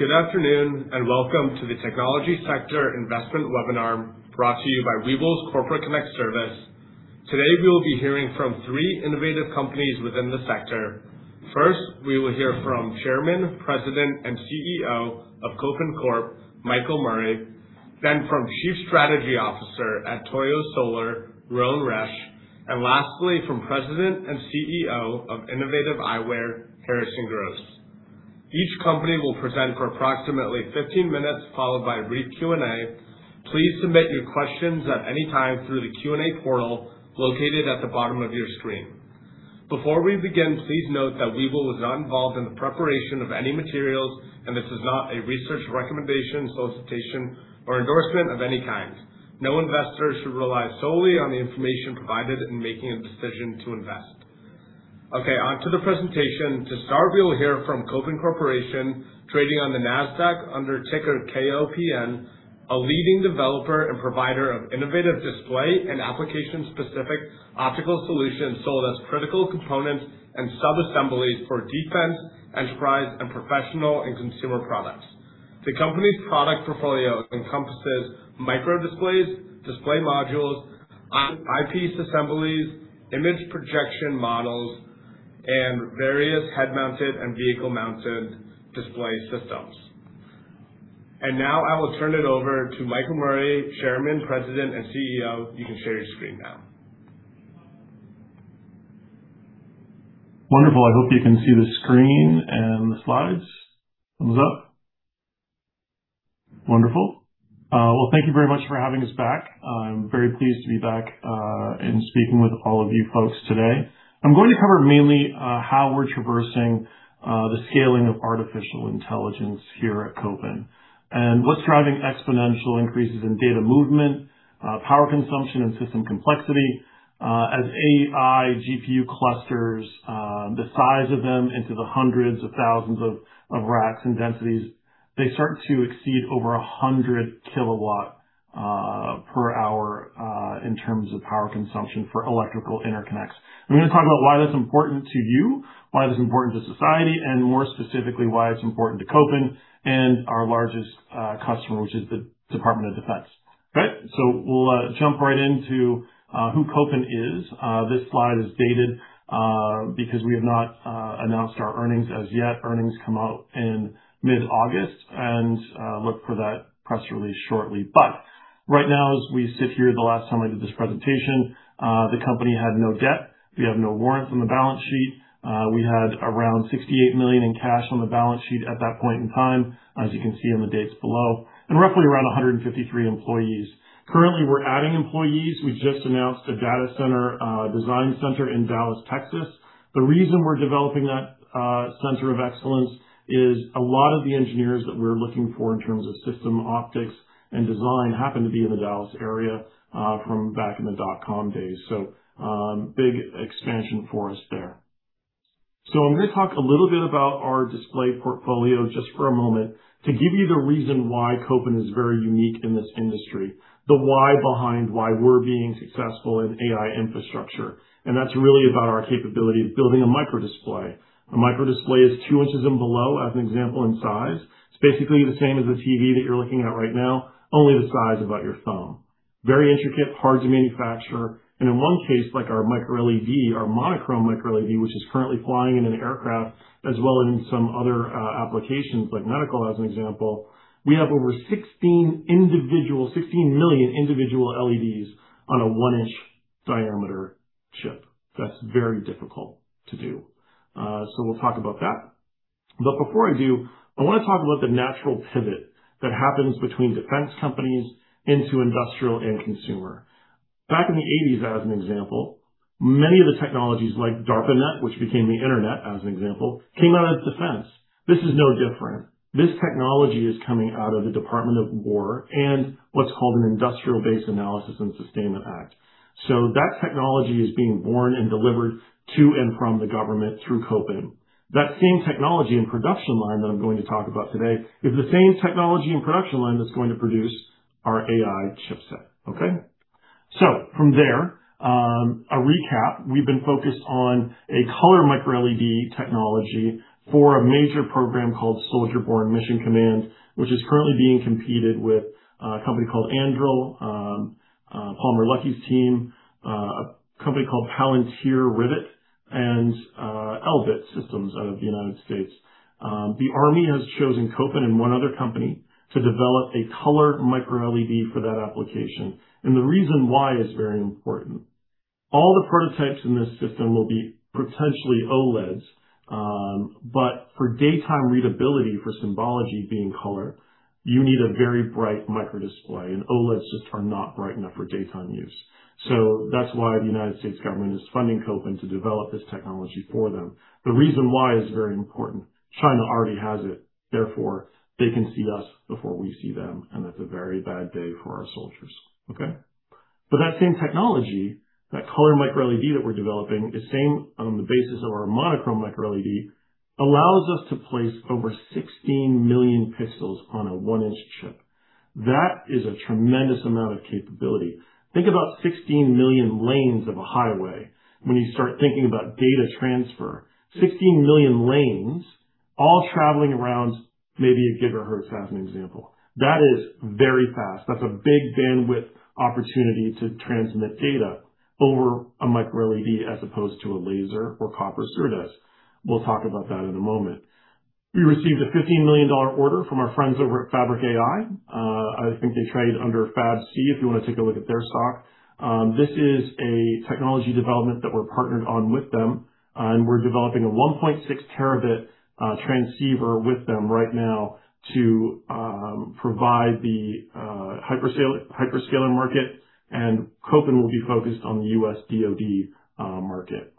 Good afternoon, welcome to the Technology Sector Investment Webinar brought to you by Webull's Corporate Connect service. Today, we will be hearing from three innovative companies within the sector. First, we will hear from Chairman, President, and CEO of Kopin Corporation, Michael Murray, then from Chief Strategy Officer at Toyo, Rhone Resch, lastly from President and CEO of Innovative Eyewear, Harrison Gross. Each company will present for approximately 15 minutes, followed by a brief Q&A. Please submit your questions at any time through the Q&A portal located at the bottom of your screen. Before we begin, please note that Webull was not involved in the preparation of any materials, this is not a research recommendation, solicitation, or endorsement of any kind. No investor should rely solely on the information provided in making a decision to invest. Onto the presentation. To start, we will hear from Kopin Corporation, trading on the Nasdaq under ticker K-O-P-N, a leading developer and provider of innovative display and application-specific optical solutions sold as critical components and sub-assemblies for defense, enterprise, professional and consumer products. The company's product portfolio encompasses microdisplays, display modules, eyepiece assemblies, image projection models, various head-mounted and vehicle-mounted display systems. Now I will turn it over to Michael Murray, Chairman, President, and CEO. You can share your screen now. Wonderful. I hope you can see the screen and the slides. Thumbs up. Wonderful. Thank you very much for having us back. I'm very pleased to be back and speaking with all of you folks today. I'm going to cover mainly how we're traversing the scaling of artificial intelligence here at Kopin, what's driving exponential increases in data movement, power consumption, and system complexity. As AI GPU clusters, the size of them into the hundreds of thousands of racks and densities, they start to exceed over 100 kilowatt per hour in terms of power consumption for electrical interconnects. I'm going to talk about why that's important to you, why that's important to society, more specifically, why it's important to Kopin and our largest customer, which is the Department of Defense. We'll jump right into who Kopin is. This slide is dated because we have not announced our earnings as yet. Earnings come out in mid-August, look for that press release shortly. Right now, as we sit here, the last time I did this presentation, the company had no debt. We have no warrants on the balance sheet. We had around $68 million in cash on the balance sheet at that point in time, as you can see in the dates below, roughly around 153 employees. Currently, we're adding employees. We just announced a data center design center in Dallas, Texas. The reason we're developing that center of excellence is a lot of the engineers that we're looking for in terms of system optics and design happen to be in the Dallas area from back in the dot-com days. Big expansion for us there. I'm going to talk a little bit about our display portfolio just for a moment to give you the reason why Kopin is very unique in this industry, the why behind why we're being successful in AI infrastructure, and that's really about our capability of building a microdisplay. A microdisplay is 2 inches and below as an example and size. It's basically the same as the TV that you're looking at right now, only the size about your thumb. Very intricate, hard to manufacture, and in one case, like our microLED, our monochrome microLED, which is currently flying in an aircraft as well as in some other applications like medical as an example, we have over 16 million individual LEDs on a 1-inch diameter chip. That's very difficult to do. We'll talk about that. Before I do, I want to talk about the natural pivot that happens between defense companies into industrial and consumer. Back in the 1980s, as an example, many of the technologies like ARPANET, which became the Internet, as an example, came out of defense. This is no different. This technology is coming out of the Department of Defense and what's called an Industrial Base Analysis and Sustainment Act. That technology is being born and delivered to and from the government through Kopin. That same technology and production line that I'm going to talk about today is the same technology and production line that's going to produce our AI chipset. Okay? From there, a recap. We've been focused on a color microLED technology for a major program called Soldier Borne Mission Command, which is currently being competed with a company called Anduril, Palmer Luckey's team, a company called Palantir Rivet, and Elbit Systems out of the U.S. The Army has chosen Kopin and one other company to develop a color microLED for that application. The reason why is very important. All the prototypes in this system will be potentially OLEDs, but for daytime readability, for symbology being color, you need a very bright microdisplay, and OLEDs just are not bright enough for daytime use. That's why the U.S. government is funding Kopin to develop this technology for them. The reason why is very important. China already has it, therefore, they can see us before we see them, and that's a very bad day for our soldiers. Okay? That same technology, that color microLED that we're developing, the same on the basis of our monochrome microLED, allows us to place over 16 million pixels on a 1-inch chip. That is a tremendous amount of capability. Think about 16 million lanes of a highway when you start thinking about data transfer. 16 million lanes all traveling around, maybe a gigahertz, as an example. That is very fast. That's a big bandwidth opportunity to transmit data over a microLED as opposed to a laser or copper SerDes. We'll talk about that in a moment. We received a $15 million order from our friends over at Fabric.AI. I think they trade under FABC, if you want to take a look at their stock. This is a technology development that we're partnered on with them, we're developing a 1.6 terabit transceiver with them right now to provide the hyperscaler market, Cobham will be focused on the US DoD market.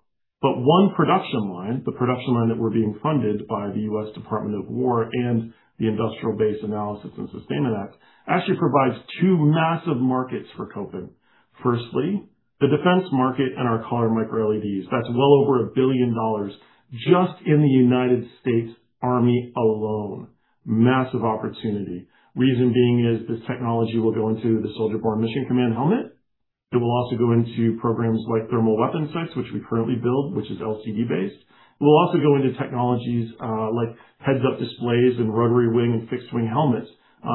One production line, the production line that we're being funded by the U.S. Department of Defense and the Industrial Base Analysis and Sustainment Act, actually provides two massive markets for Cobham. Firstly, the defense market and our color MicroLEDs. That's well over $1 billion just in the United States Army alone. Massive opportunity. Reason being is this technology will go into the Soldier Borne Mission Command helmet. It will also go into programs like thermal weapon sites, which we currently build, which is LCD-based. It will also go into technologies like heads-up displays and rotary wing and fixed wing helmets,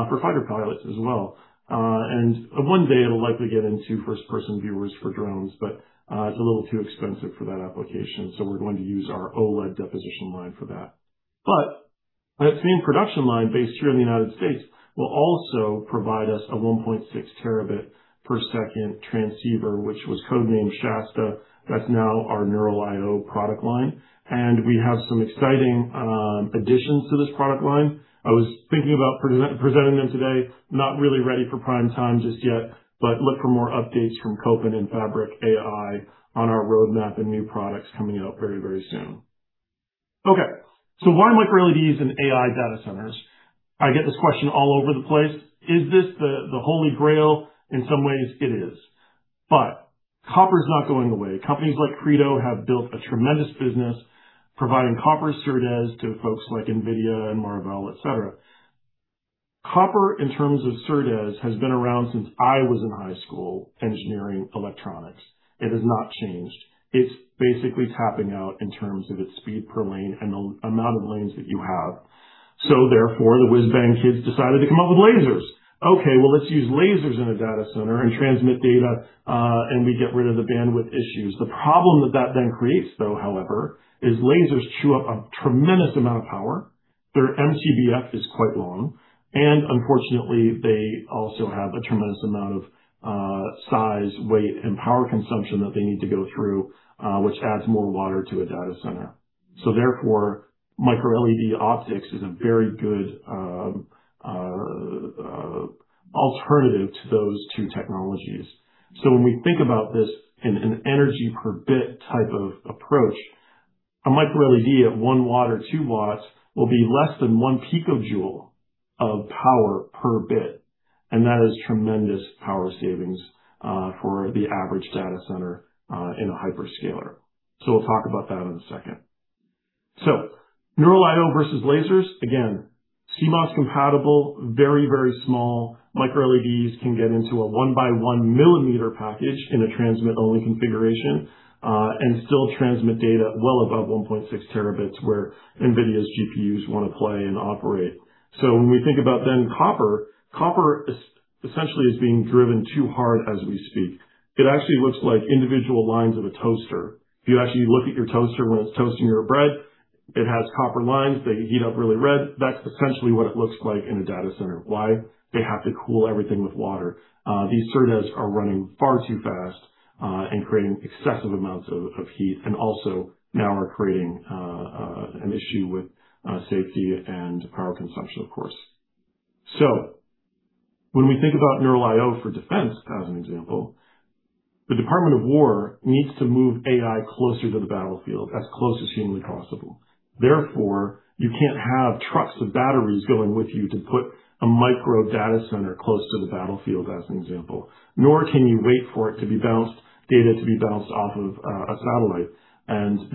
for fighter pilots as well. One day it'll likely get into first-person viewers for drones, it's a little too expensive for that application, we're going to use our OLED deposition line for that. That same production line based here in the U.S. will also provide us a 1.6 terabit per second transceiver, which was code-named Shasta. That's now our NeuralIO product line, we have some exciting additions to this product line. I was thinking about presenting them today, not really ready for prime time just yet, look for more updates from Cobham and Fabric.AI on our roadmap and new products coming out very, very soon. Why MicroLEDs in AI data centers? I get this question all over the place. Is this the Holy Grail? In some ways it is, but copper's not going away. Companies like Credo have built a tremendous business providing copper SerDes to folks like Nvidia and Marvell, et cetera. Copper, in terms of SerDes, has been around since I was in high school engineering electronics. It has not changed. It's basically tapping out in terms of its speed per lane and the amount of lanes that you have. Therefore, the whiz bang kids decided to come up with lasers. Let's use lasers in a data center and transmit data, we get rid of the bandwidth issues. The problem that that then creates, though, however, is lasers chew up a tremendous amount of power. Their MTBF is quite long, unfortunately, they also have a tremendous amount of size, weight, and power consumption that they need to go through, which adds more water to a data center. Therefore, MicroLED optics is a very good alternative to those two technologies. When we think about this in an energy per bit type of approach, a MicroLED at 1 watt or 2 watts will be less than 1 picojoule of power per bit, that is tremendous power savings for the average data center, in a hyperscaler. We'll talk about that in a second. NeuralIO versus lasers. Again, CMOS compatible, very, very small MicroLEDs can get into a 1-by-1 millimeter package in a transmit only configuration, still transmit data well above 1.6 terabits where Nvidia's GPUs want to play and operate. When we think about then copper essentially is being driven too hard as we speak. It actually looks like individual lines of a toaster. If you actually look at your toaster when it's toasting your bread, it has copper lines that heat up really red. That's essentially what it looks like in a data center. Why? They have to cool everything with water. These SerDes are running far too fast, and creating excessive amounts of heat, and also now are creating an issue with safety and power consumption, of course. When we think about NeuralIO for defense, as an example, the Department of Defense needs to move AI closer to the battlefield, as close as humanly possible. Therefore, you can't have trucks with batteries going with you to put a micro data center close to the battlefield, as an example. Nor can you wait for data to be bounced off of a satellite.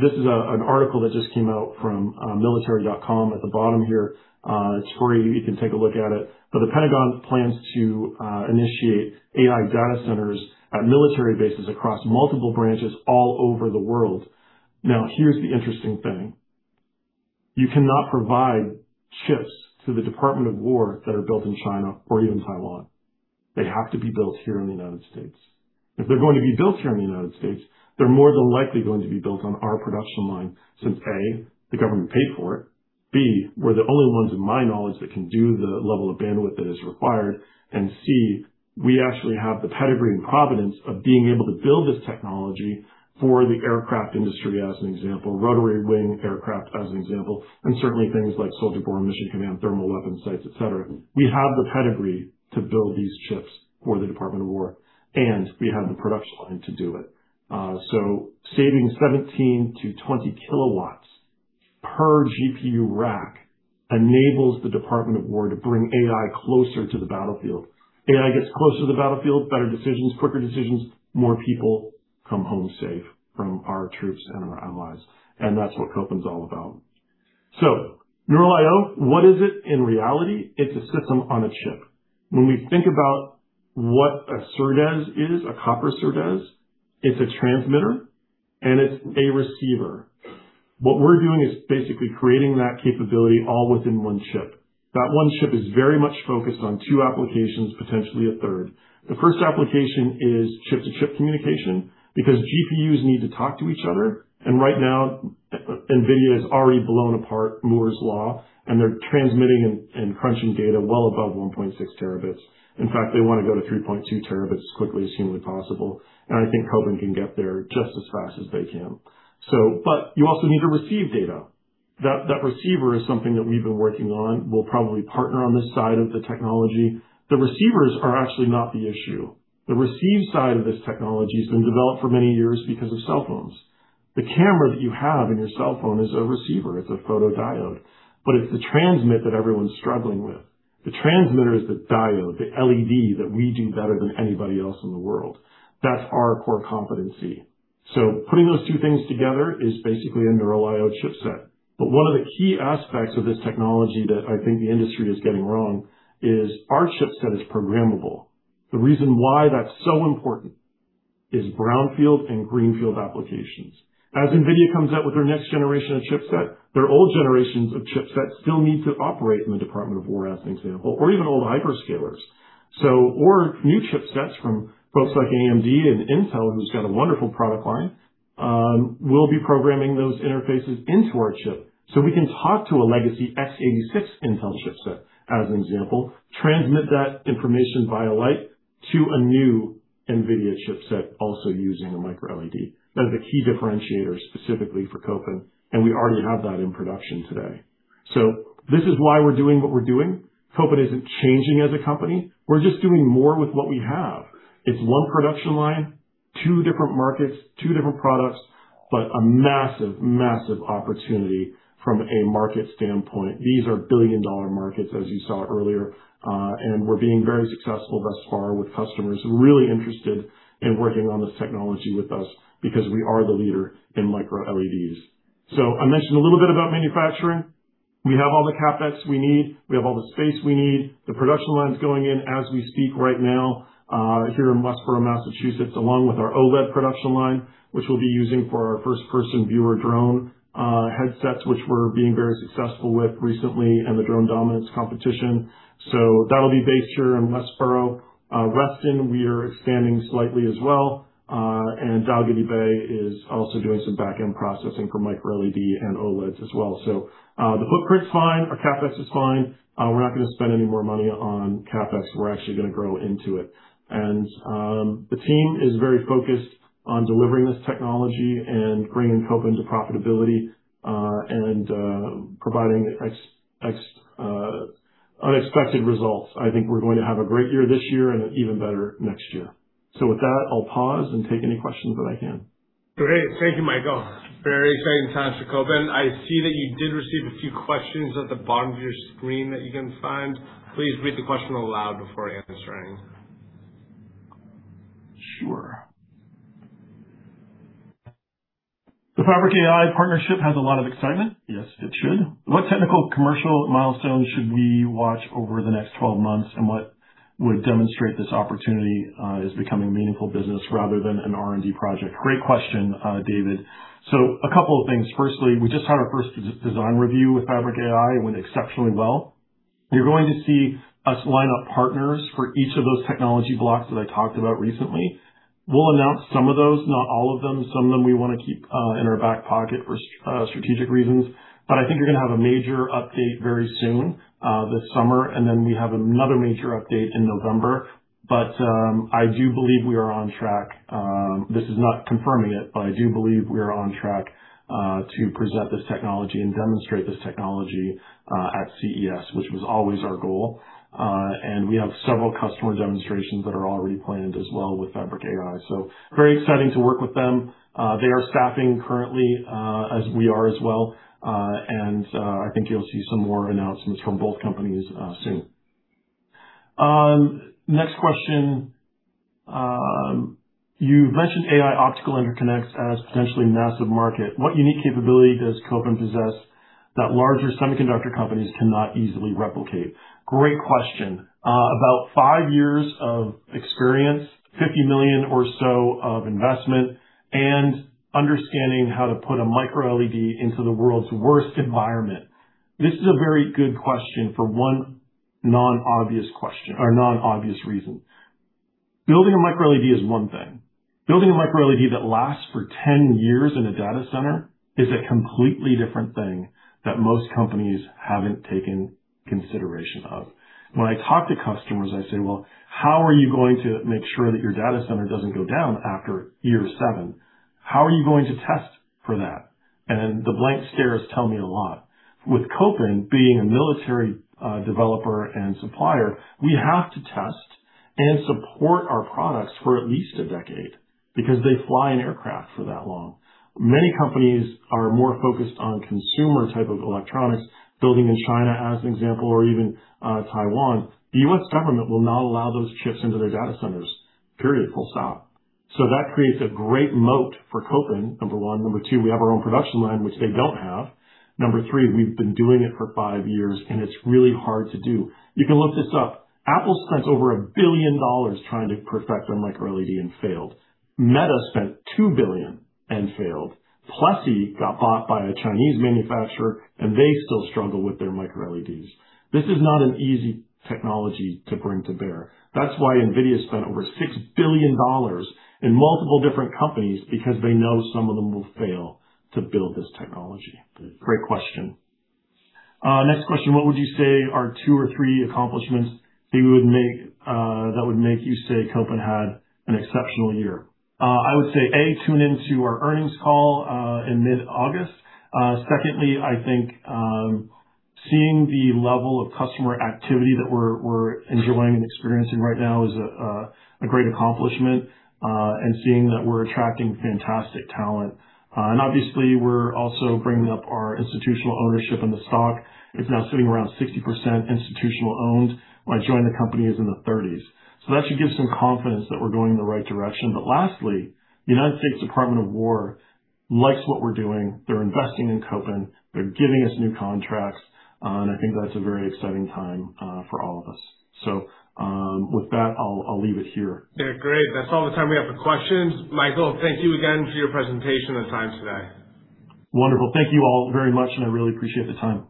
This is an article that just came out from military.com at the bottom here. It's free, you can take a look at it. The Pentagon plans to initiate AI data centers at military bases across multiple branches all over the world. Here's the interesting thing. You cannot provide chips to the Department of Defense that are built in China or even Taiwan. They have to be built here in the U.S. If they're going to be built here in the U.S., they're more than likely going to be built on our production line since, A, the government paid for it, B, we're the only ones, in my knowledge, that can do the level of bandwidth that is required, and C, we actually have the pedigree and providence of being able to build this technology for the aircraft industry, as an example, rotary wing aircraft as an example, and certainly things like Soldier Borne Mission Command, thermal weapon sites, et cetera. We have the pedigree to build these chips for the Department of Defense, and we have the production line to do it. Saving 17-20 kilowatts per GPU rack enables the Department of Defense to bring AI closer to the battlefield. AI gets closer to the battlefield, better decisions, quicker decisions, more people come home safe from our troops and our allies, and that's what Cobham's all about. NeuralIO, what is it in reality? It's a system on a chip. When we think about what a SerDes is, a copper SerDes, it's a transmitter and it's a receiver. What we're doing is basically creating that capability all within one chip. That one chip is very much focused on two applications, potentially a third. The first application is chip-to-chip communication, because GPUs need to talk to each other, and right now, Nvidia's already blown apart Moore's Law, and they're transmitting and crunching data well above 1.6 terabits. In fact, they want to go to 3.2 terabits as quickly as humanly possible, and I think Cobham can get there just as fast as they can. You also need to receive data. That receiver is something that we've been working on. We'll probably partner on this side of the technology. The receivers are actually not the issue. The receive side of this technology has been developed for many years because of cell phones. The camera that you have in your cell phone is a receiver. It's a photodiode. It's the transmit that everyone's struggling with. The transmitter is the diode, the LED that we do better than anybody else in the world. That's our core competency. Putting those two things together is basically a Neural I/o chipset. One of the key aspects of this technology that I think the industry is getting wrong is our chipset is programmable. The reason why that's so important is brownfield and greenfield applications. As Nvidia comes out with their next generation of chipset, their old generations of chipset still need to operate in the Department of Defense, as an example, or even old hyperscalers. New chipsets from folks like AMD and Intel, who's got a wonderful product line, we'll be programming those interfaces into our chip, so we can talk to a legacy X86 Intel chipset as an example, transmit that information via light to a new Nvidia chipset also using a MicroLED. That is a key differentiator specifically for Cobham, and we already have that in production today. This is why we're doing what we're doing. Cobham isn't changing as a company. We're just doing more with what we have. It's one production line, two different markets, two different products, but a massive opportunity from a market standpoint. These are billion-dollar markets, as you saw earlier. We're being very successful thus far with customers really interested in working on this technology with us because we are the leader in MicroLEDs. I mentioned a little bit about manufacturing. We have all the CapEx we need. We have all the space we need. The production line's going in as we speak right now, here in Westborough, Massachusetts, along with our OLED production line, which we'll be using for our first-person viewer drone headsets, which we're being very successful with recently in the Drone Dominance Competition. That'll be based here in Westborough. Weston, we are expanding slightly as well. Daugherty Bay is also doing some back-end processing for MicroLED and OLEDs as well. The footprint's fine. Our CapEx is fine. We're not going to spend any more money on CapEx. We're actually going to grow into it. The team is very focused on delivering this technology and bringing Cobham to profitability, and providing unexpected results. I think we're going to have a great year this year and an even better next year. With that, I'll pause and take any questions that I can. Great. Thank you, Michael. Very exciting times for Cobham. I see that you did receive a few questions at the bottom of your screen that you can find. Please read the question aloud before answering. Sure. "The Fabric.AI partnership has a lot of excitement." Yes, it should. "What technical commercial milestones should we watch over the next 12 months, and what would demonstrate this opportunity as becoming a meaningful business rather than an R&D project?" Great question, David. A couple of things. Firstly, we just had our first design review with Fabric.AI. It went exceptionally well. You're going to see us line up partners for each of those technology blocks that I talked about recently. We'll announce some of those, not all of them. Some of them we want to keep in our back pocket for strategic reasons. I think you're going to have a major update very soon, this summer, and then we have another major update in November. I do believe we are on track. This is not confirming it, I do believe we are on track to present this technology and demonstrate this technology at CES, which was always our goal. We have several customer demonstrations that are already planned as well with Fabric.AI. Very exciting to work with them. They are staffing currently, as we are as well. I think you'll see some more announcements from both companies soon. Next question. "You've mentioned AI optical interconnects as potentially a massive market. What unique capability does Cobham possess that larger semiconductor companies cannot easily replicate?" Great question. About 5 years of experience, $50 million or so of investment, and understanding how to put a MicroLED into the world's worst environment. This is a very good question for one non-obvious question or non-obvious reason. Building a MicroLED is one thing. Building a MicroLED that lasts for 10 years in a data center is a completely different thing that most companies haven't taken consideration of. When I talk to customers, I say, "Well, how are you going to make sure that your data center doesn't go down after year 7? How are you going to test for that?" The blank stares tell me a lot. With Cobham being a military developer and supplier, we have to test and support our products for at least a decade because they fly an aircraft for that long. Many companies are more focused on consumer type of electronics, building in China, as an example, or even Taiwan. The U.S. government will not allow those chips into their data centers, period. Full stop That creates a great moat for Kopin, number one. Number two, we have our own production line, which they don't have. Number three, we've been doing it for 5 years, and it's really hard to do. You can look this up. Apple spent over $1 billion trying to perfect their MicroLED and failed. Meta spent $2 billion and failed. Plessey got bought by a Chinese manufacturer, and they still struggle with their MicroLEDs. This is not an easy technology to bring to bear. That's why Nvidia spent over $6 billion in multiple different companies, because they know some of them will fail to build this technology. Great question. Next question. What would you say are two or three accomplishments that would make you say Kopin had an exceptional year? I would say, A, tune into our earnings call in mid-August. Secondly, I think, seeing the level of customer activity that we're enjoying and experiencing right now is a great accomplishment, seeing that we're attracting fantastic talent. Obviously, we're also bringing up our institutional ownership in the stock. It's now sitting around 60% institutional owned. When I joined the company, it was in the 30s. That should give some confidence that we're going in the right direction. Lastly, the United States Department of Defense likes what we're doing. They're investing in Kopin, they're giving us new contracts, and I think that's a very exciting time for all of us. With that, I'll leave it here. Yeah. Great. That's all the time we have for questions. Michael, thank you again for your presentation and time today. Wonderful. Thank you all very much, and I really appreciate the time.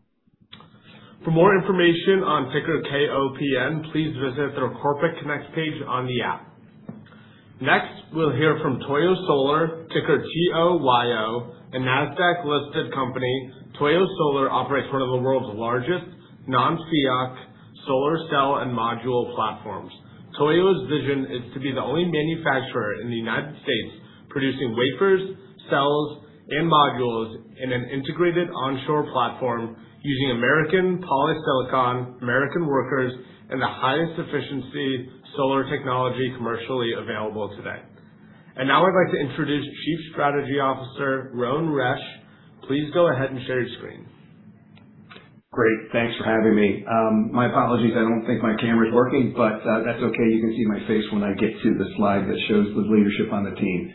For more information on ticker KOPN, please visit their Corporate Connect page on the app. Next, we'll hear from Toyo Solar, ticker TOYO, a Nasdaq-listed company. Toyo Solar operates one of the world's largest non-FEOC solar cell and module platforms. Toyo's vision is to be the only manufacturer in the United States producing wafers, cells, and modules in an integrated onshore platform using American polysilicon, American workers, and the highest efficiency solar technology commercially available today. Now I'd like to introduce Chief Strategy Officer, Rhone Resch. Please go ahead and share your screen. Great. Thanks for having me. My apologies, I don't think my camera's working, but that's okay. You can see my face when I get to the slide that shows the leadership on the team.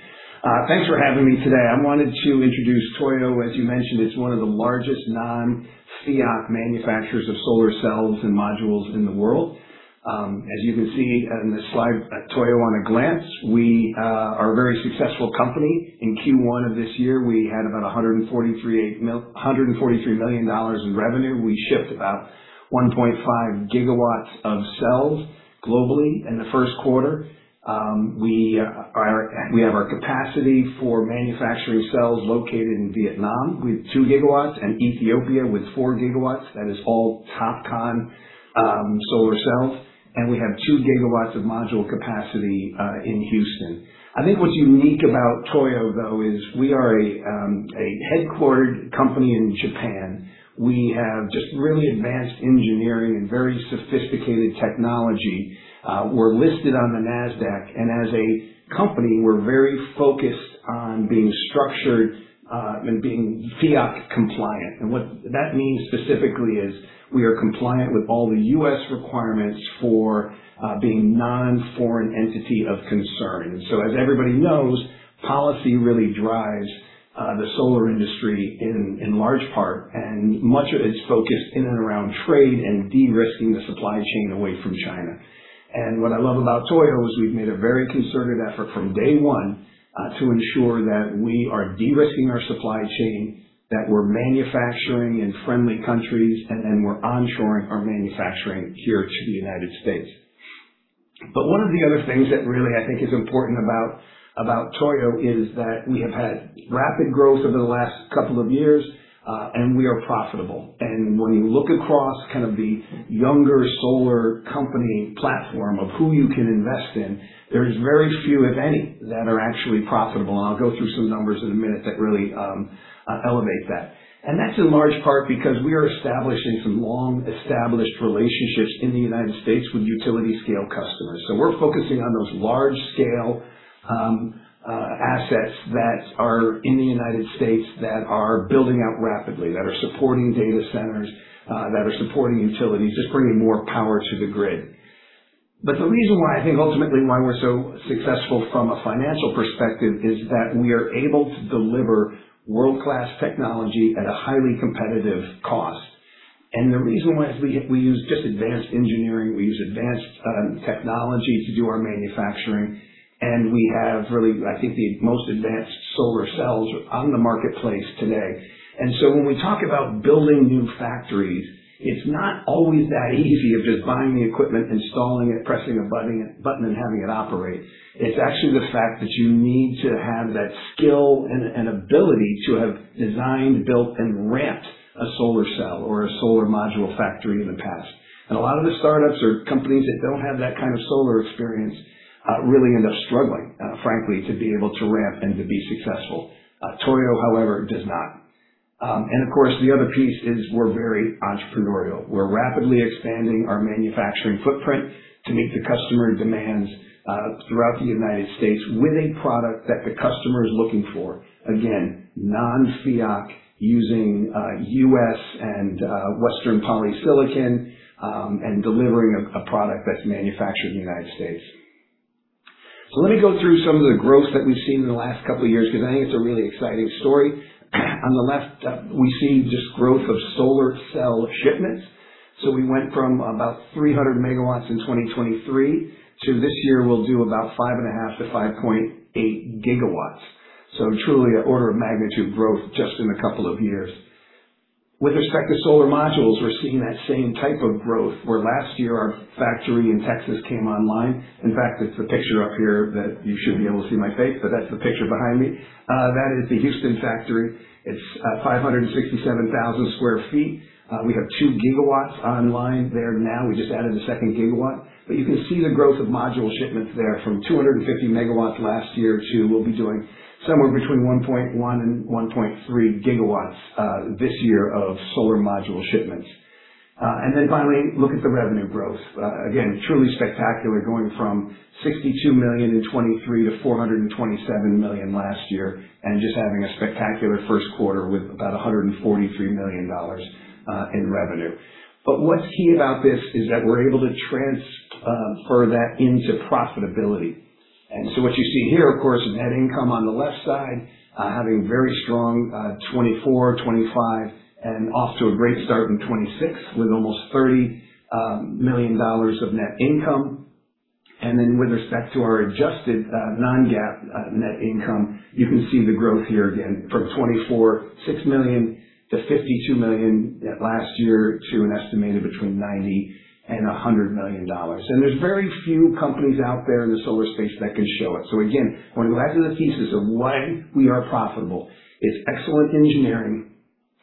Thanks for having me today. I wanted to introduce Toyo. As you mentioned, it's one of the largest non-FEOC manufacturers of solar cells and modules in the world. As you can see in this slide, Toyo at a glance, we are a very successful company. In Q1 of this year, we had about $143 million in revenue. We shipped about 1.5 gigawatts of cells globally in the first quarter. We have our capacity for manufacturing cells located in Vietnam with 2 gigawatts and Ethiopia with 4 gigawatts. That is all TOPCon solar cells, and we have 2 gigawatts of module capacity in Houston. What's unique about Toyo, though, is we are a headquartered company in Japan. We have just really advanced engineering and very sophisticated technology. We're listed on the Nasdaq, and as a company, we're very focused on being structured, and being FEOC compliant. What that means specifically is we are compliant with all the U.S. requirements for being non-Foreign Entity of Concern. As everybody knows, policy really drives the solar industry in large part, and much of it's focused in and around trade and de-risking the supply chain away from China. What I love about Toyo is we've made a very concerted effort from day one to ensure that we are de-risking our supply chain, that we're manufacturing in friendly countries, and then we're onshoring our manufacturing here to the U.S. One of the other things that really is important about Toyo is that we have had rapid growth over the last couple of years, and we are profitable. When you look across the younger solar company platform of who you can invest in, there's very few, if any, that are actually profitable, and I'll go through some numbers in a minute that really elevate that. That's in large part because we are establishing some long-established relationships in the U.S. with utility scale customers. We're focusing on those large scale assets that are in the U.S. that are building out rapidly, that are supporting data centers, that are supporting utilities, just bringing more power to the grid. The reason why ultimately why we're so successful from a financial perspective is that we are able to deliver world-class technology at a highly competitive cost. The reason why is we use just advanced engineering, we use advanced technology to do our manufacturing, and we have really the most advanced solar cells on the marketplace today. When we talk about building new factories, it's not always that easy of just buying the equipment, installing it, pressing a button, and having it operate. It's actually the fact that you need to have that skill and ability to have designed, built, and ramped a solar cell or a solar module factory in the past. A lot of the startups or companies that don't have that kind of solar experience really end up struggling, frankly, to be able to ramp and to be successful. Toyo, however, does not. Of course, the other piece is we're very entrepreneurial. We're rapidly expanding our manufacturing footprint to meet the customer demands throughout the United States with a product that the customer is looking for. Again, non-FEOC using U.S. and Western polysilicon, and delivering a product that's manufactured in the United States. Let me go through some of the growth that we've seen in the last couple of years, because I think it's a really exciting story. On the left, we see just growth of solar cell shipments. We went from about 300 megawatts in 2023 to this year, we'll do about 5.5 to 5.8 gigawatts. Truly an order of magnitude growth just in a couple of years. With respect to solar modules, we're seeing that same type of growth, where last year our factory in Texas came online. In fact, it's the picture up here that you should be able to see my face, but that's the picture behind me. That is the Houston factory. It's 567,000 sq ft. We have two gigawatts online there now. We just added a second gigawatt. You can see the growth of module shipments there from 250 megawatts last year to we'll be doing somewhere between 1.1 and 1.3 gigawatts this year of solar module shipments. Then finally, look at the revenue growth. Again, truly spectacular, going from 62 million in 2023 to 427 million last year and just having a spectacular first quarter with about JPY 143 million in revenue. What's key about this is that we're able to transfer that into profitability. What you see here, of course, net income on the left side, having very strong 2024, 2025, and off to a great start in 2026 with almost JPY 30 million of net income. With respect to our adjusted non-GAAP net income, you can see the growth here again from 2024, 6 million to 52 million last year to an estimated between 90 million and JPY 100 million. There's very few companies out there in the solar space that can show it. Again, when we go back to the thesis of why we are profitable, it's excellent engineering,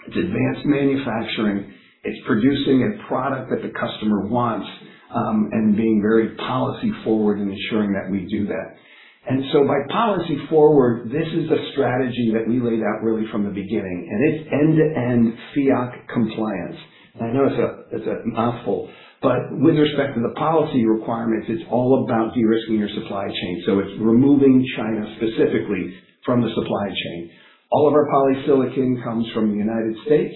it's advanced manufacturing, it's producing a product that the customer wants, and being very policy forward in ensuring that we do that. By policy forward, this is a strategy that we laid out really from the beginning, and it's end-to-end FEOC compliance. I know it's a mouthful, but with respect to the policy requirements, it's all about de-risking your supply chain. It's removing China specifically from the supply chain. All of our polysilicon comes from the United States,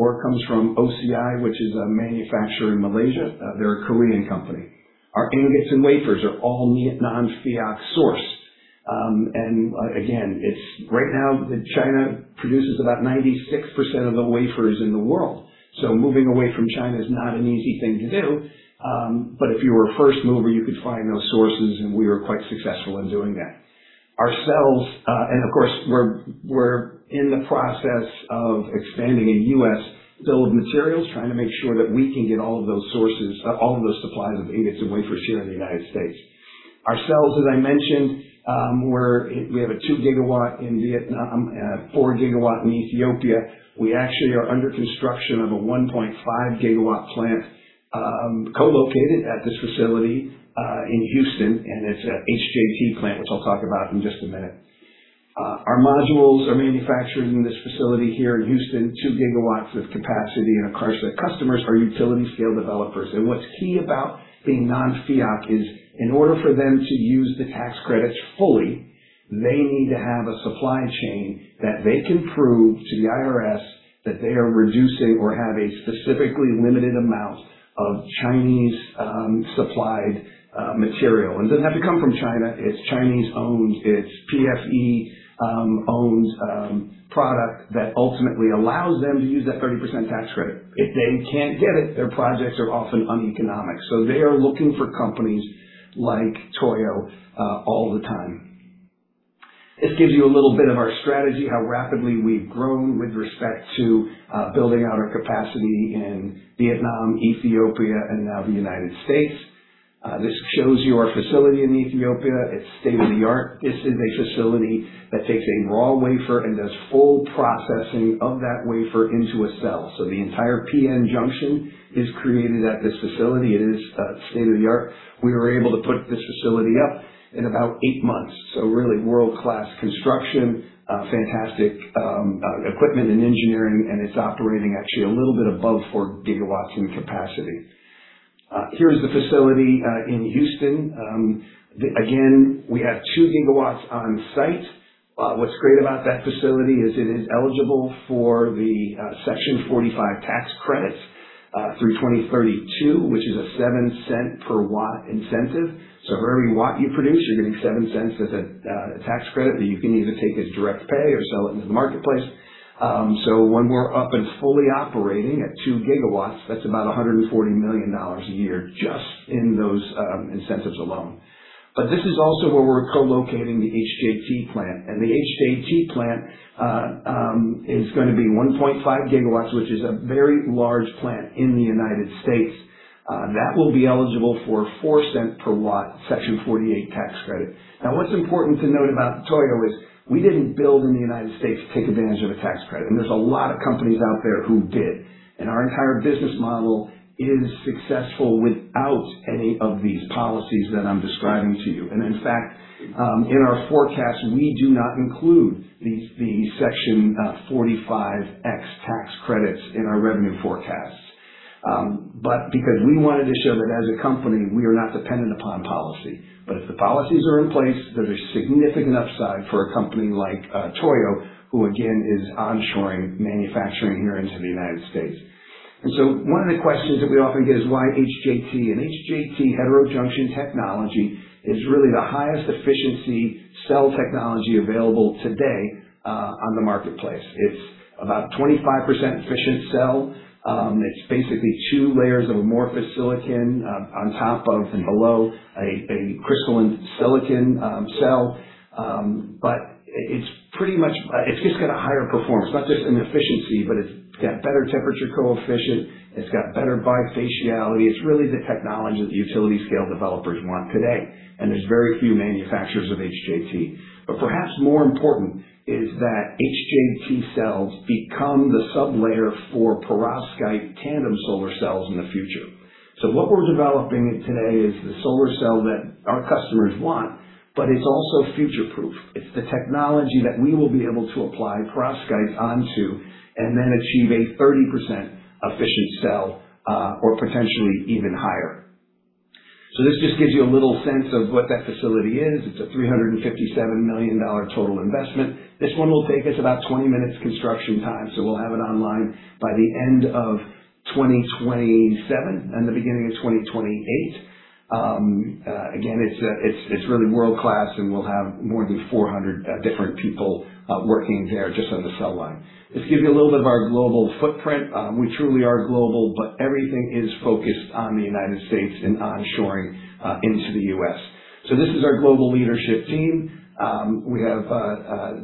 or it comes from OCI, which is a manufacturer in Malaysia. They're a Korean company. Our ingots and wafers are all non-FEOC sourced. Again, right now, China produces about 96% of the wafers in the world. Moving away from China is not an easy thing to do. If you were a first mover, you could find those sources, and we were quite successful in doing that. Of course, we're in the process of expanding a U.S. bill of materials, trying to make sure that we can get all of those supplies of ingots and wafers here in the United States. Our cells, as I mentioned, we have a two gigawatt in Vietnam, four gigawatt in Ethiopia. We actually are under construction of a 1.5 gigawatt plant co-located at this facility in Houston, and it's a HJT plant, which I'll talk about in just a minute. Our modules are manufactured in this facility here in Houston, two gigawatts of capacity, of course, our customers are utility scale developers. What's key about being non-FEOC is in order for them to use the tax credits fully, they need to have a supply chain that they can prove to the IRS that they are reducing or have a specifically limited amount of Chinese supplied material. It doesn't have to come from China. It's Chinese owned, it's PFE owned product that ultimately allows them to use that 30% tax credit. If they can't get it, their projects are often uneconomic. They are looking for companies like Toyo all the time. This gives you a little bit of our strategy, how rapidly we've grown with respect to building out our capacity in Vietnam, Ethiopia, and now the United States. This shows you our facility in Ethiopia. It's state-of-the-art. This is a facility that takes a raw wafer and does full processing of that wafer into a cell. The entire p-n junction is created at this facility. It is state-of-the-art. We were able to put this facility up in about eight months. Really world-class construction, fantastic equipment and engineering, and it's operating actually a little bit above four gigawatts in capacity. Here's the facility in Houston. Again, we have two gigawatts on site. What's great about that facility is it is eligible for the Section 45 tax credits through 2032, which is a $0.07 per watt incentive. For every watt you produce, you're getting $0.07 as a tax credit that you can either take as direct pay or sell into the marketplace. When we're up and fully operating at two gigawatts, that's about $140 million a year just in those incentives alone. This is also where we're co-locating the HJT plant. The HJT plant is going to be 1.5 gigawatts, which is a very large plant in the United States. That will be eligible for $0.04 per watt Section 48 tax credit. Now, what's important to note about Toyo is we didn't build in the United States to take advantage of a tax credit, and there's a lot of companies out there who did. Our entire business model is successful without any of these policies that I'm describing to you. In fact, in our forecast, we do not include the Section 45X tax credits in our revenue forecast. Because we wanted to show that as a company, we are not dependent upon policy. If the policies are in place, there's a significant upside for a company like Toyo, who again is onshoring manufacturing here into the United States. One of the questions that we often get is why HJT? HJT, Heterojunction Technology, is really the highest efficiency cell technology available today on the marketplace. It's about 25% efficient cell. It's basically two layers of amorphous silicon on top of and below a crystalline silicon cell. It's just got a higher performance, not just in efficiency, but it's got better temperature coefficient. It's got better bifaciality. It's really the technology that the utility scale developers want today, and there's very few manufacturers of HJT. Perhaps more important is that HJT cells become the sub-layer for perovskite tandem solar cells in the future. What we're developing today is the solar cell that our customers want, but it's also future-proof. It's the technology that we will be able to apply perovskite onto and then achieve a 30% efficient cell, or potentially even higher. This just gives you a little sense of what that facility is. It's a $357 million total investment. This one will take us about 20 months construction time, so we'll have it online by the end of 2027 and the beginning of 2028. Again, it's really world-class, and we'll have more than 400 different people working there just on the cell line. This gives you a little bit of our global footprint. We truly are global, but everything is focused on the United States and onshoring into the U.S. This is our global leadership team. We have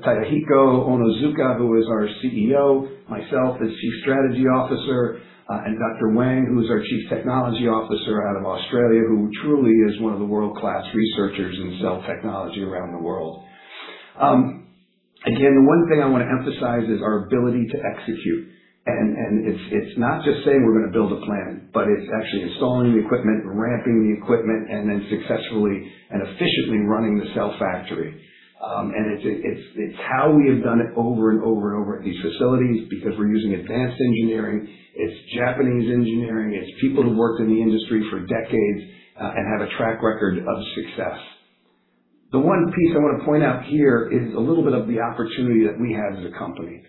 Takahiko Onozuka, who is our CEO, myself as chief strategy officer, and Dr. Wang, who is our chief technology officer out of Australia, who truly is one of the world-class researchers in cell technology around the world. Again, the one thing I want to emphasize is our ability to execute. It's not just saying we're going to build a plant, but it's actually installing the equipment, ramping the equipment, and then successfully and efficiently running the cell factory. It's how we have done it over and over at these facilities because we're using advanced engineering. It's Japanese engineering. It's people who've worked in the industry for decades and have a track record of success. The one piece I want to point out here is a little bit of the opportunity that we have as a company.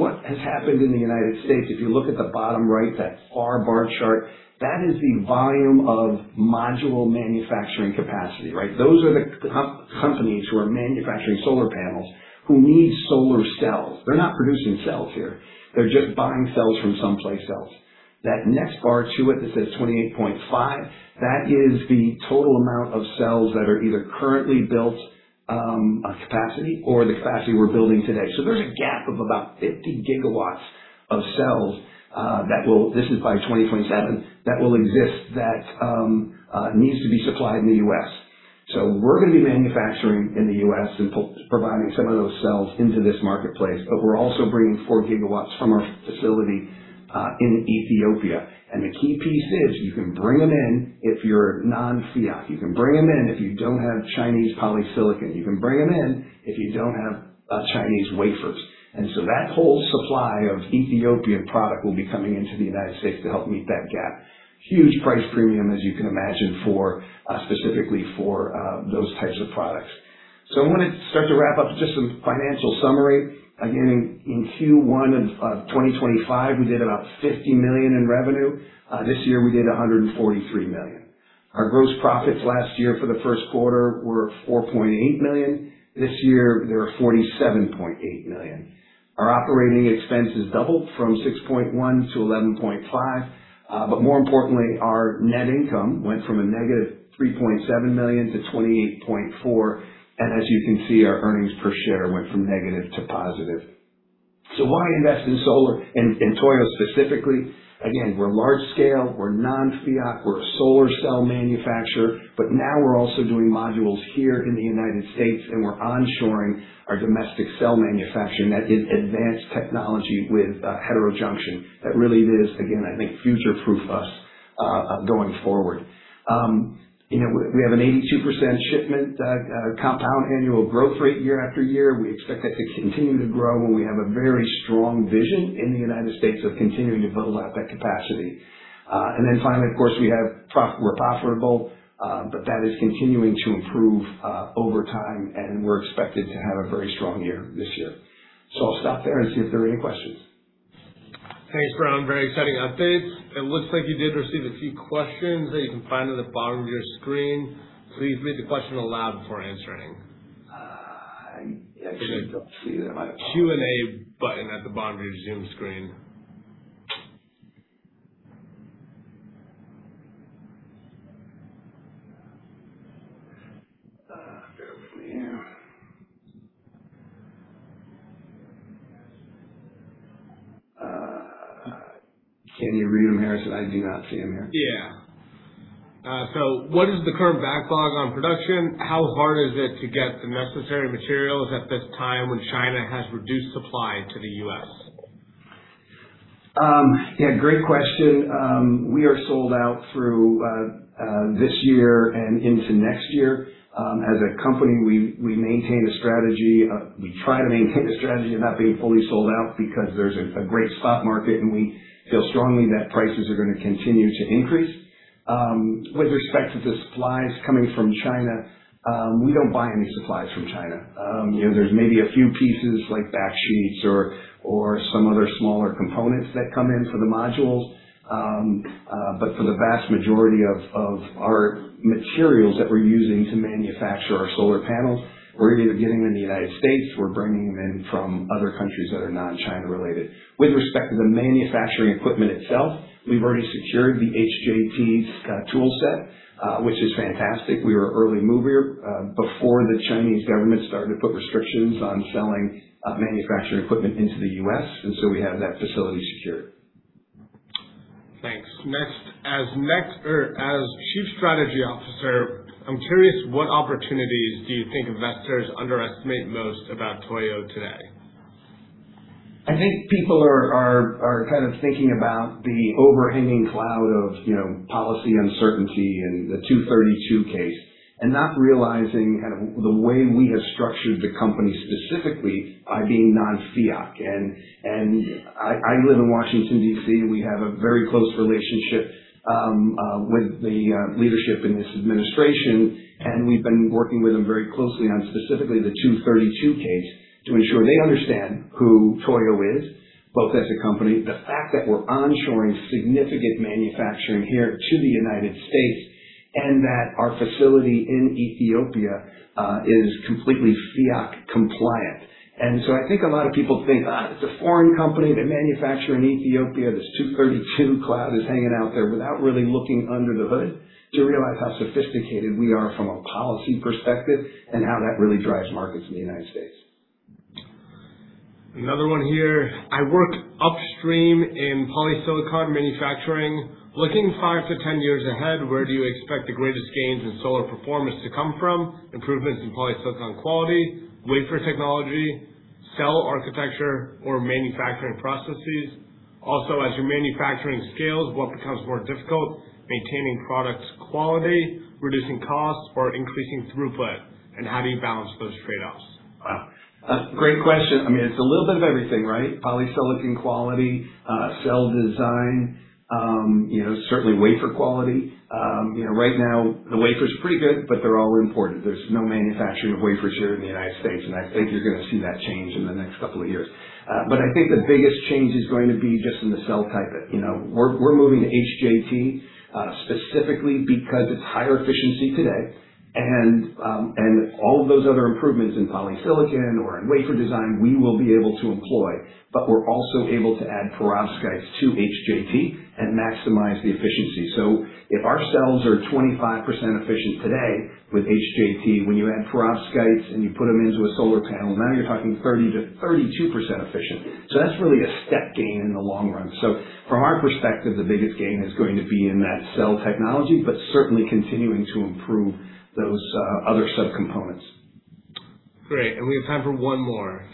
What has happened in the United States, if you look at the bottom right, that far bar chart, that is the volume of module manufacturing capacity, right? Those are the companies who are manufacturing solar panels who need solar cells. They're not producing cells here. They're just buying cells from someplace else. That next bar to it that says 28.5, that is the total amount of cells that are either currently built, capacity or the capacity we're building today. There's a gap of about 50 gigawatts of cells, this is by 2027, that will exist that needs to be supplied in the U.S. We're going to be manufacturing in the U.S. and providing some of those cells into this marketplace, but we're also bringing 4 gigawatts from our facility in Ethiopia. The key piece is you can bring them in if you're non-FEOC. You can bring them in if you don't have Chinese polysilicon. You can bring them in if you don't have Chinese wafers. That whole supply of Ethiopian product will be coming into the United States to help meet that gap. Huge price premium, as you can imagine, specifically for those types of products. I want to start to wrap up with just some financial summary. Again, in Q1 of 2025, we did about $50 million in revenue. This year we did $143 million. Our gross profits last year for the first quarter were $4.8 million. This year, they were $47.8 million. Our operating expenses doubled from 6.1 to 11.5. More importantly, our net income went from a negative $3.7 million to $28.4 million. As you can see, our earnings per share went from negative to positive. Why invest in solar and in Toyo specifically? Again, we're large scale. We're non-FEOC. We're a solar cell manufacturer, but now we're also doing modules here in the United States, and we're onshoring our domestic cell manufacturing. That is advanced technology with heterojunction. That really is, again, I think, future-proof us going forward. We have an 82% shipment compound annual growth rate year after year. We expect that to continue to grow, and we have a very strong vision in the United States of continuing to build out that capacity. Finally, of course, we're profitable, but that is continuing to improve over time, and we're expected to have a very strong year this year. I'll stop there and see if there are any questions. Thanks, Rhone. Very exciting updates. It looks like you did receive a few questions that you can find at the bottom of your screen. Please read the question aloud before answering. I actually don't see them. There's a Q&A button at the bottom of your Zoom screen. Bear with me here. Can you read them, Harrison? I do not see them here. Yeah. What is the current backlog on production? How hard is it to get the necessary materials at this time when China has reduced supply to the U.S.? Yeah, great question. We are sold out through this year and into next year. As a company, we try to maintain a strategy of not being fully sold out because there's a great spot market, and we feel strongly that prices are going to continue to increase. With respect to the supplies coming from China, we don't buy any supplies from China. There's maybe a few pieces like back sheets or some other smaller components that come in for the modules. For the vast majority of our materials that we're using to manufacture our solar panels, we're either getting them in the U.S., we're bringing them in from other countries that are non-China related. With respect to the manufacturing equipment itself, we've already secured the HJT tool set, which is fantastic. We were early mover before the Chinese government started to put restrictions on selling manufacturing equipment into the U.S., we have that facility secured. Thanks. As Chief Strategy Officer, I am curious what opportunities do you think investors underestimate most about Toyo today? I think people are kind of thinking about the overhanging cloud of policy uncertainty and the Section 232, not realizing the way we have structured the company specifically by being non-FEOC. I live in Washington, D.C., we have a very close relationship with the leadership in this administration, we have been working with them very closely on specifically the Section 232 to ensure they understand who Toyo is, both as a company, the fact that we are onshoring significant manufacturing here to the United States, and that our facility in Ethiopia is completely FEOC compliant. I think a lot of people think, "It is a foreign company. They manufacture in Ethiopia. This 232 cloud is hanging out there," without really looking under the hood to realize how sophisticated we are from a policy perspective, and how that really drives markets in the United States. Another one here. I work upstream in polysilicon manufacturing. Looking five to 10 years ahead, where do you expect the greatest gains in solar performance to come from? Improvements in polysilicon quality, wafer technology, cell architecture, or manufacturing processes? Also, as your manufacturing scales, what becomes more difficult? Maintaining product quality, reducing costs, or increasing throughput? How do you balance those trade-offs? Wow. Great question. It is a little bit of everything, right? Polysilicon quality, cell design, certainly wafer quality. Right now the wafer is pretty good, but they are all imported. There is no manufacturing of wafers here in the United States, I think you are going to see that change in the next couple of years. I think the biggest change is going to be just in the cell type. We are moving to HJT specifically because it is higher efficiency today and all of those other improvements in polysilicon or in wafer design we will be able to employ, but we are also able to add perovskites to HJT and maximize the efficiency. If our cells are 25% efficient today with HJT, when you add perovskites and you put them into a solar panel, now you are talking 30%-32% efficient. That is really a step gain in the long run. From our perspective, the biggest gain is going to be in that cell technology, but certainly continuing to improve those other subcomponents. Great. We have time for one more.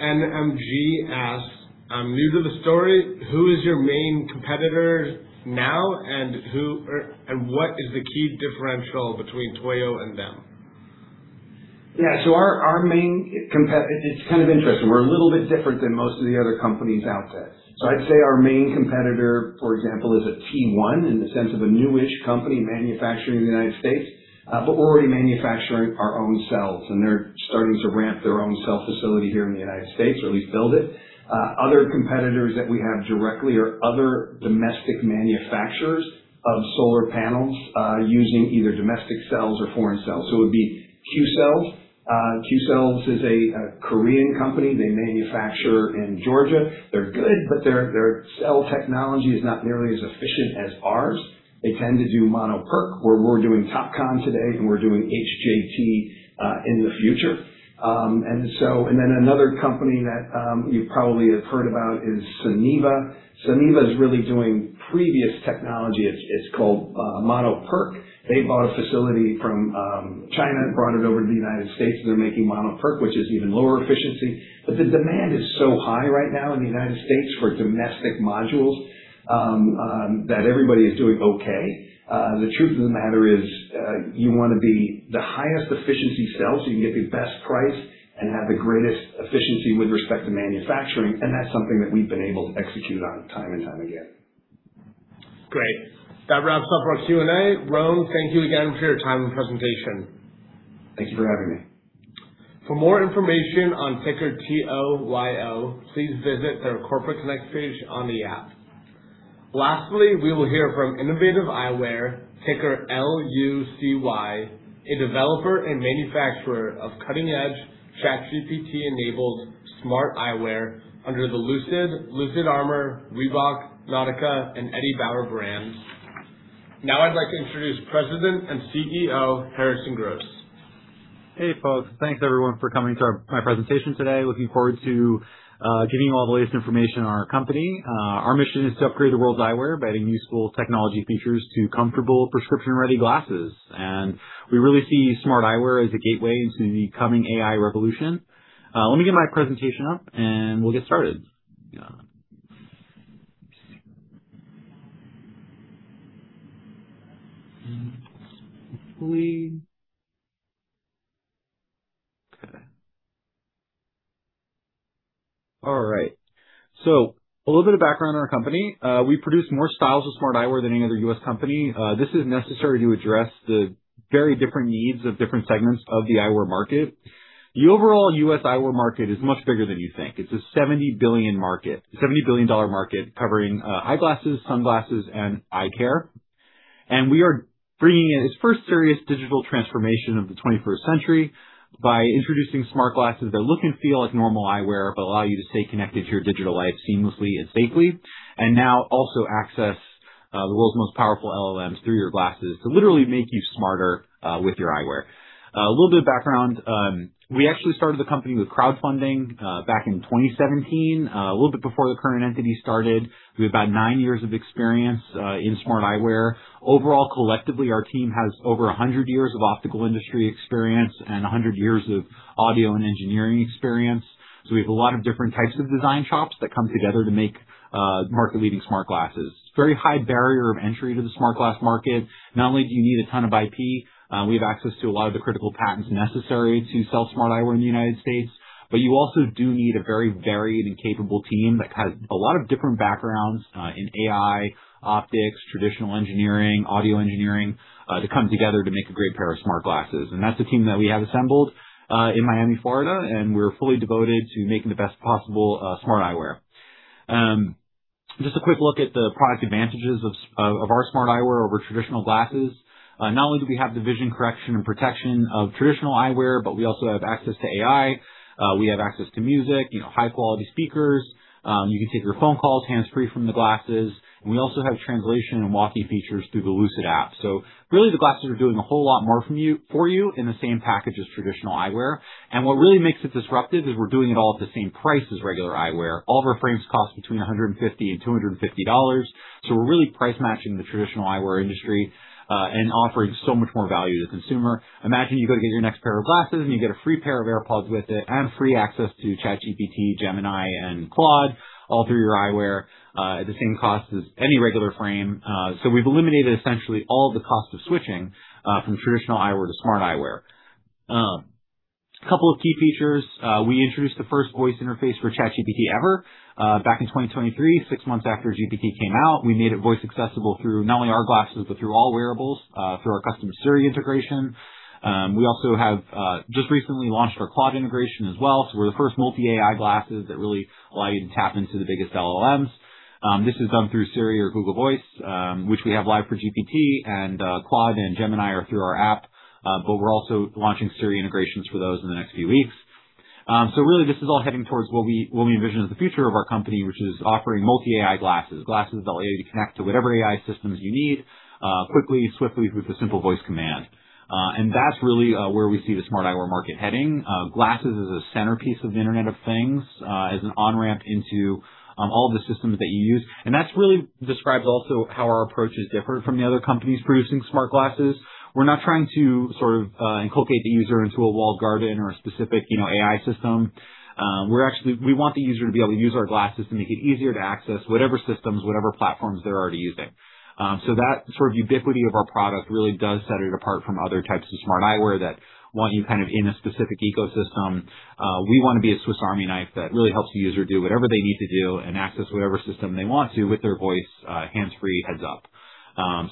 NMG asks, I'm new to the story. Who is your main competitor now, and what is the key differential between Toyo and them? Yeah. It's kind of interesting. We're a little bit different than most of the other companies out there. I'd say our main competitor, for example, is a tier 1 in the sense of a newish company manufacturing in the U.S., but already manufacturing our own cells. They're starting to ramp their own cell facility here in the U.S., or at least build it. Other competitors that we have directly are other domestic manufacturers of solar panels using either domestic cells or foreign cells. It would be Qcells. Qcells is a Korean company. They manufacture in Georgia. They're good, but their cell technology is not nearly as efficient as ours. They tend to do Mono PERC where we're doing TOPCon today and we're doing HJT in the future. Then another company that you probably have heard about is Suniva. Suniva is really doing previous technology. It's called Mono PERC. They bought a facility from China and brought it over to the U.S., and they're making Mono PERC, which is even lower efficiency. The demand is so high right now in the U.S. for domestic modules that everybody is doing okay. The truth of the matter is, you want to be the highest efficiency cell so you can get the best price and have the greatest efficiency with respect to manufacturing, and that's something that we've been able to execute on time and time again. Great. That wraps up our Q&A. Rhone, thank you again for your time and presentation. Thank you for having me. For more information on ticker TOYO, please visit their Corporate Connect page on the app. Lastly, we will hear from Innovative Eyewear, ticker LUCY, a developer and manufacturer of cutting-edge ChatGPT-enabled smart eyewear under the Lucyd Armor, Reebok, Nautica, and Eddie Bauer brands. I'd like to introduce President and CEO, Harrison Gross. Hey, folks. Thanks everyone for coming to my presentation today. Looking forward to giving you all the latest information on our company. Our mission is to upgrade the world's eyewear by adding useful technology features to comfortable prescription-ready glasses, and we really see smart eyewear as a gateway into the coming AI revolution. Let me get my presentation up and we'll get started. Hopefully a little bit of background on our company. We produce more styles of smart eyewear than any other U.S. company. This is necessary to address the very different needs of different segments of the eyewear market. The overall U.S. eyewear market is much bigger than you think. It's a $70 billion market covering eyeglasses, sunglasses, and eye care. We are bringing its first serious digital transformation of the twenty-first century by introducing smart glasses that look and feel like normal eyewear, but allow you to stay connected to your digital life seamlessly and safely, and now also access the world's most powerful LLMs through your glasses to literally make you smarter with your eyewear. A little bit of background. We actually started the company with crowdfunding back in 2017, a little bit before the current entity started. We have about nine years of experience in smart eyewear. Overall, collectively, our team has over 100 years of optical industry experience and 100 years of audio and engineering experience. We have a lot of different types of design chops that come together to make market-leading smart glasses. It's very high barrier of entry to the smart glass market. Not only do you need a ton of IP, we have access to a lot of the critical patents necessary to sell smart eyewear in the U.S., but you also do need a very varied and capable team that has a lot of different backgrounds in AI, optics, traditional engineering, audio engineering, to come together to make a great pair of smart glasses. That's the team that we have assembled in Miami, Florida, and we're fully devoted to making the best possible smart eyewear. Just a quick look at the product advantages of our smart eyewear over traditional glasses. Not only do we have the vision correction and protection of traditional eyewear, but we also have access to AI. We have access to music, high-quality speakers. You can take your phone calls hands-free from the glasses. We also have translation and Walkie features through the Lucyd app. Really, the glasses are doing a whole lot more for you in the same package as traditional eyewear. What really makes it disruptive is we're doing it all at the same price as regular eyewear. All of our frames cost between 150 and JPY 250. We're really price-matching the traditional eyewear industry and offering so much more value to the consumer. Imagine you go to get your next pair of glasses and you get a free pair of AirPods with it and free access to ChatGPT, Gemini, and Claude all through your eyewear at the same cost as any regular frame. We've eliminated essentially all the cost of switching from traditional eyewear to smart eyewear. A couple of key features. We introduced the first voice interface for ChatGPT ever back in 2023, six months after GPT came out. We made it voice accessible through not only our glasses, but through all wearables through our custom Siri integration. We also have just recently launched our Claude integration as well. We're the first multi-AI glasses that really allow you to tap into the biggest LLMs. This is done through Siri or Google Voice, which we have live for GPT and Claude and Gemini are through our app, but we're also launching Siri integrations for those in the next few weeks. Really, this is all heading towards what we envision as the future of our company, which is offering multi-AI glasses that allow you to connect to whatever AI systems you need quickly, swiftly with a simple voice command. That's really where we see the smart eyewear market heading. Glasses as a centerpiece of the Internet of Things, as an on-ramp into all the systems that you use. That really describes also how our approach is different from the other companies producing smart glasses. We're not trying to sort of inculcate the user into a walled garden or a specific AI system. We want the user to be able to use our glasses to make it easier to access whatever systems, whatever platforms they're already using. That sort of ubiquity of our product really does set it apart from other types of smart eyewear that want you kind of in a specific ecosystem. We want to be a Swiss Army knife that really helps the user do whatever they need to do and access whatever system they want to with their voice, hands-free, heads up.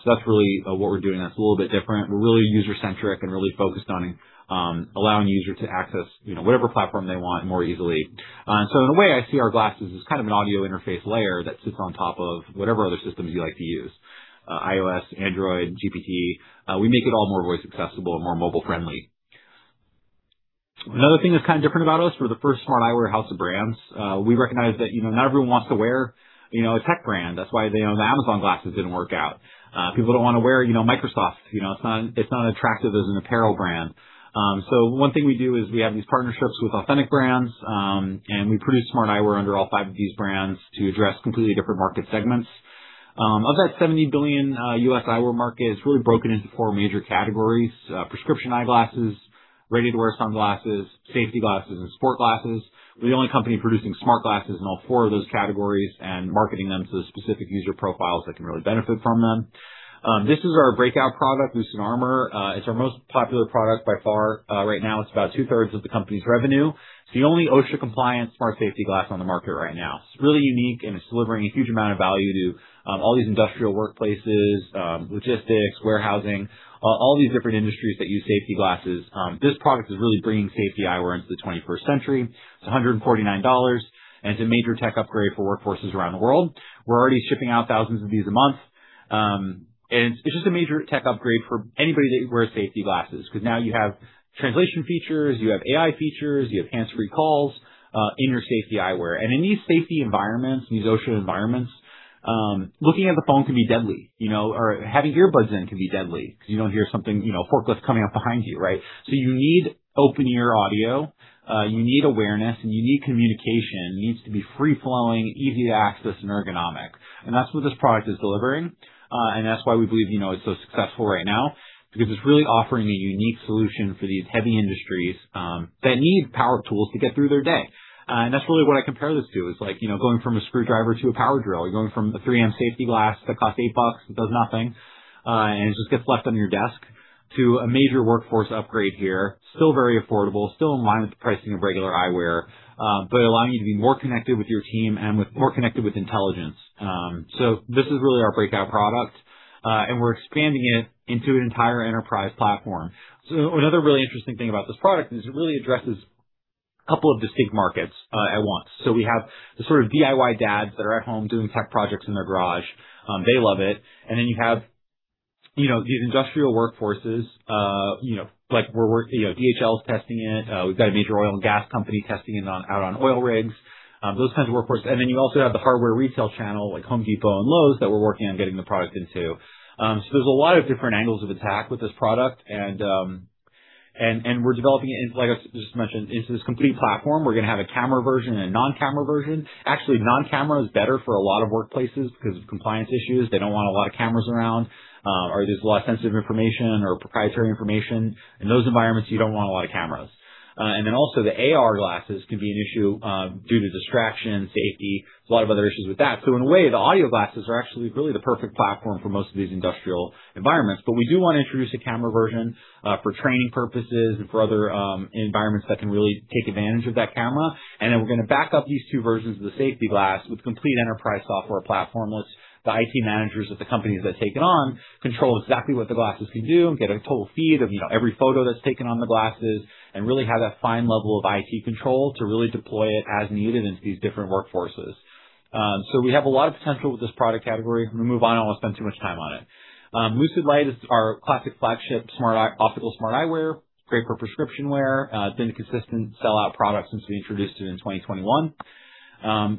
That's really what we're doing that's a little bit different. We're really user-centric and really focused on allowing the user to access whatever platform they want more easily. In a way, I see our glasses as kind of an audio interface layer that sits on top of whatever other systems you like to use, iOS, Android, GPT. We make it all more voice accessible and more mobile-friendly. Another thing that's kind of different about us, we're the first smart eyewear house of brands. We recognize that not everyone wants to wear a tech brand. That's why the Amazon glasses didn't work out. People don't want to wear Microsoft. It's not attractive as an apparel brand. One thing we do is we have these partnerships with authentic brands, and we produce smart eyewear under all five of these brands to address completely different market segments. Of that $70 billion U.S. eyewear market, it's really broken into 4 major categories: prescription eyeglasses, ready-to-wear sunglasses, safety glasses, and sport glasses. We're the only company producing smart glasses in all 4 of those categories and marketing them to the specific user profiles that can really benefit from them. This is our breakout product, Lucyd Armor. It's our most popular product by far. Right now, it's about two-thirds of the company's revenue. It's the only OSHA-compliant smart safety glass on the market right now. It's really unique, and it's delivering a huge amount of value to all these industrial workplaces, logistics, warehousing, all these different industries that use safety glasses. This product is really bringing safety eyewear into the 21st century. It's $149, and it's a major tech upgrade for workforces around the world. We're already shipping out thousands of these a month. It's just a major tech upgrade for anybody that wears safety glasses because now you have translation features, you have AI features, you have hands-free calls in your safety eyewear. In these safety environments, these OSHA environments, looking at the phone can be deadly. Having earbuds in can be deadly because you don't hear something, a forklift coming up behind you, right? You need open-ear audio, you need awareness, and you need communication. It needs to be free-flowing, easy to access, and ergonomic. That's what this product is delivering. That's why we believe it's so successful right now, because it's really offering a unique solution for these heavy industries that need power tools to get through their day. That's really what I compare this to, is going from a screwdriver to a power drill. You're going from a 3M safety glass that costs JPY 8, that does nothing, and it just gets left on your desk to a major workforce upgrade here. Still very affordable, still in line with the pricing of regular eyewear, but allowing you to be more connected with your team and more connected with intelligence. This is really our breakout product, and we're expanding it into an entire enterprise platform. Another really interesting thing about this product is it really addresses a couple of distinct markets at once. We have the sort of DIY dads that are at home doing tech projects in their garage. They love it. You have these industrial workforces, like DHL is testing it. We've got a major oil and gas company testing it out on oil rigs, those kinds of workforces. You also have the hardware retail channel, like Home Depot and Lowe's, that we're working on getting the product into. There's a lot of different angles of attack with this product, and we're developing it, like I just mentioned, into this complete platform. We're going to have a camera version and a non-camera version. Actually, non-camera is better for a lot of workplaces because of compliance issues. They don't want a lot of cameras around, or there's a lot of sensitive information or proprietary information. In those environments, you don't want a lot of cameras. Also the AR glasses can be an issue due to distraction, safety, there's a lot of other issues with that. In a way, the audio glasses are actually really the perfect platform for most of these industrial environments. We do want to introduce a camera version for training purposes and for other environments that can really take advantage of that camera. We're going to back up these two versions of the safety glass with complete enterprise software platform that the IT managers of the companies that take it on control exactly what the glasses can do and get a total feed of every photo that's taken on the glasses and really have that fine level of IT control to really deploy it as needed into these different workforces. We have a lot of potential with this product category. I'm going to move on. I don't want to spend too much time on it. Lucyd Lyte is our classic flagship optical smart eyewear, great for prescription wear. It's been a consistent sellout product since we introduced it in 2021.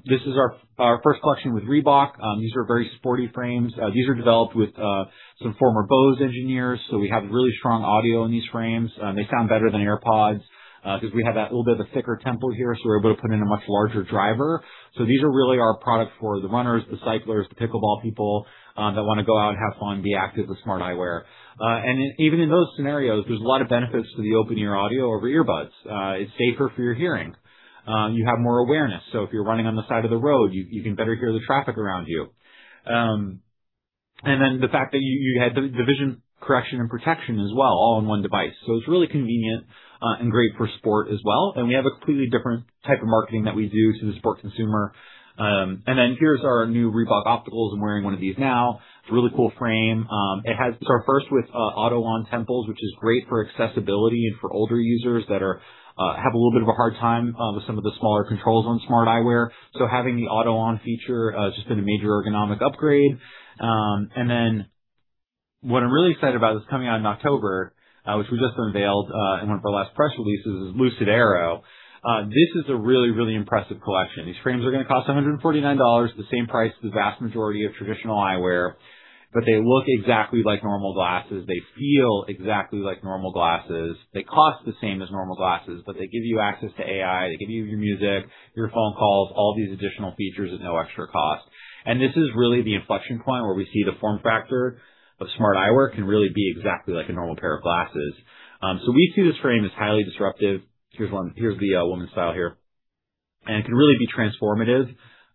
This is our first collection with Reebok. These are very sporty frames. These are developed with some former Bose engineers, so we have really strong audio in these frames. They sound better than AirPods because we have that little bit of a thicker temple here, so we're able to put in a much larger driver. These are really our product for the runners, the cyclers, the pickleball people that want to go out and have fun, be active with smart eyewear. Even in those scenarios, there's a lot of benefits to the open ear audio over earbuds. It's safer for your hearing. You have more awareness, so if you're running on the side of the road, you can better hear the traffic around you. The fact that you have the vision correction and protection as well, all in one device. It's really convenient and great for sport as well. We have a completely different type of marketing that we do to the sport consumer. Here's our new Reebok Opticals. I'm wearing one of these now. It's a really cool frame. This is our first with auto-on temples, which is great for accessibility and for older users that have a little bit of a hard time with some of the smaller controls on smart eyewear. Having the auto-on feature has just been a major ergonomic upgrade. What I'm really excited about is coming out in October, which we just unveiled in one of our last press releases, is Lucyd Arrow. This is a really, really impressive collection. These frames are going to cost $149, the same price as the vast majority of traditional eyewear. They look exactly like normal glasses. They feel exactly like normal glasses. They cost the same as normal glasses, but they give you access to AI, they give you your music, your phone calls, all these additional features at no extra cost. This is really the inflection point where we see the form factor of smart eyewear can really be exactly like a normal pair of glasses. We see this frame as highly disruptive. Here's the women's style here. It can really be transformative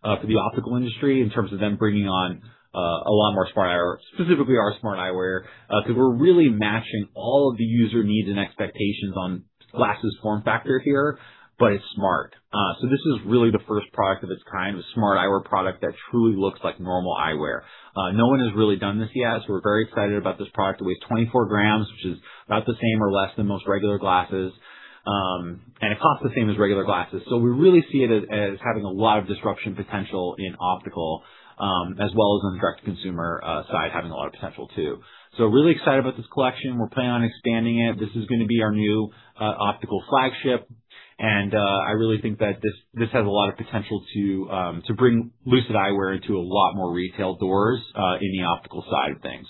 for the optical industry in terms of them bringing on a lot more smart eyewear, specifically our smart eyewear, because we're really matching all of the user needs and expectations on glasses form factor here, but it's smart. This is really the first product of its kind, a smart eyewear product that truly looks like normal eyewear. No one has really done this yet, so we're very excited about this product. It weighs 24 grams, which is about the same or less than most regular glasses, and it costs the same as regular glasses. We really see it as having a lot of disruption potential in optical, as well as on the direct-to-consumer side, having a lot of potential, too. Really excited about this collection. We're planning on expanding it. This is going to be our new optical flagship, and I really think that this has a lot of potential to bring Lucyd eyewear into a lot more retail doors in the optical side of things.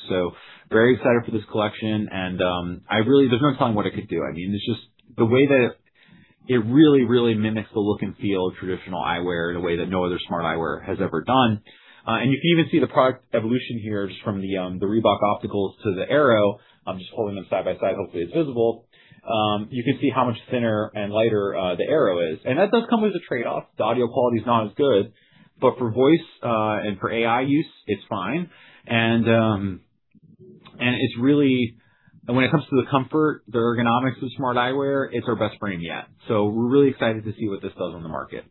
Very excited for this collection, and there's no telling what it could do. I mean, it's just the way that it really, really mimics the look and feel of traditional eyewear in a way that no other smart eyewear has ever done. You can even see the product evolution here, just from the Reebok Opticals to the Arrow. I'm just holding them side by side. Hopefully it's visible. You can see how much thinner and lighter the Arrow is, and that does come with a trade-off. The audio quality is not as good, but for voice and for AI use, it's fine. When it comes to the comfort, the ergonomics of smart eyewear, it's our best frame yet. We're really excited to see what this does on the market.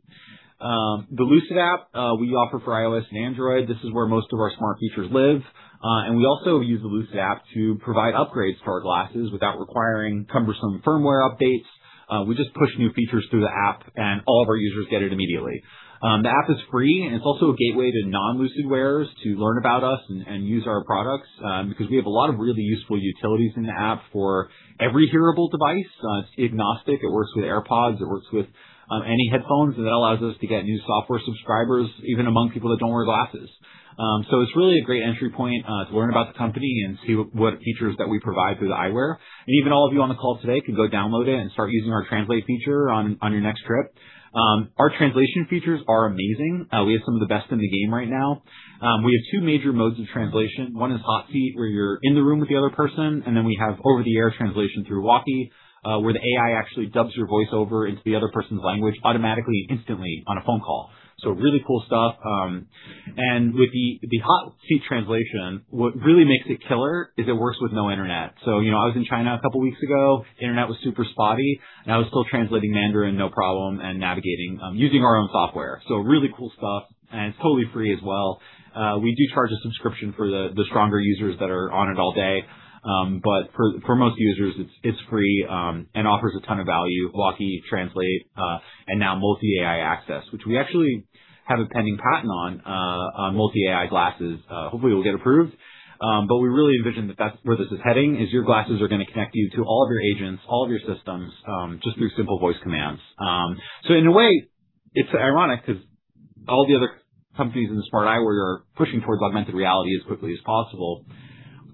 The Lucyd app we offer for iOS and Android. This is where most of our smart features live. We also use the Lucyd app to provide upgrades for our glasses without requiring cumbersome firmware updates. We just push new features through the app, and all of our users get it immediately. The app is free, and it's also a gateway to non-Lucyd wearers to learn about us and use our products because we have a lot of really useful utilities in the app for every hearable device. It's agnostic. It works with AirPods, it works with any headphones, and that allows us to get new software subscribers, even among people that don't wear glasses. It's really a great entry point to learn about the company and see what features that we provide through the eyewear. Even all of you on the call today can go download it and start using our translate feature on your next trip. Our translation features are amazing. We have some of the best in the game right now. We have two major modes of translation. One is hot seat, where you're in the room with the other person, then we have over-the-air translation through Walkie, where the AI actually dubs your voice over into the other person's language automatically, instantly on a phone call. Really cool stuff. With the hot seat translation, what really makes it killer is it works with no internet. I was in China a couple of weeks ago, internet was super spotty, and I was still translating Mandarin, no problem, and navigating using our own software. Really cool stuff, and it's totally free as well. We do charge a subscription for the stronger users that are on it all day. For most users, it's free and offers a ton of value. Walkie, Translate, and now multi-AI access, which we actually have a pending patent on multi-AI glasses. Hopefully, it will get approved. We really envision that that's where this is heading, is your glasses are going to connect you to all of your agents, all of your systems, just through simple voice commands. In a way, it's ironic because all the other companies in the smart eyewear are pushing towards augmented reality as quickly as possible.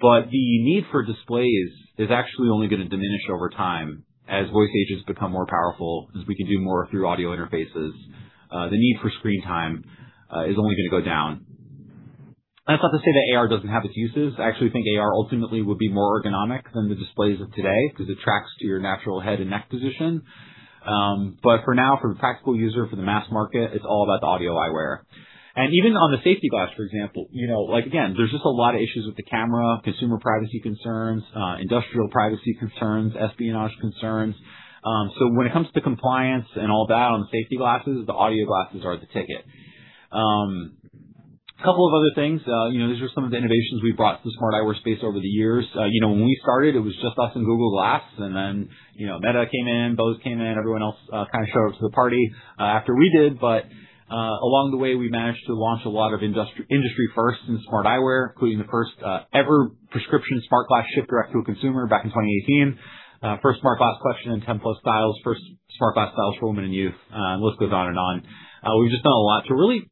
The need for displays is actually only going to diminish over time as voice agents become more powerful, as we can do more through audio interfaces. The need for screen time is only going to go down. That's not to say that AR doesn't have its uses. I actually think AR ultimately will be more ergonomic than the displays of today because it tracks to your natural head and neck position. For now, for the practical user, for the mass market, it's all about the audio eyewear. Even on the safety glass, for example, again, there's just a lot of issues with the camera, consumer privacy concerns, industrial privacy concerns, espionage concerns. When it comes to compliance and all that on the safety glasses, the audio glasses are the ticket. Couple of other things. These are some of the innovations we've brought to the smart eyewear space over the years. When we started, it was just us and Google Glass, then Meta came in, Bose came in, everyone else kind of showed up to the party after we did. Along the way, we managed to launch a lot of industry firsts in smart eyewear, including the first ever prescription smart glass shipped direct to a consumer back in 2018. First smart glass collection in 10-plus styles, first smart glass styles for women and youth. The list goes on and on. We've just done a lot to really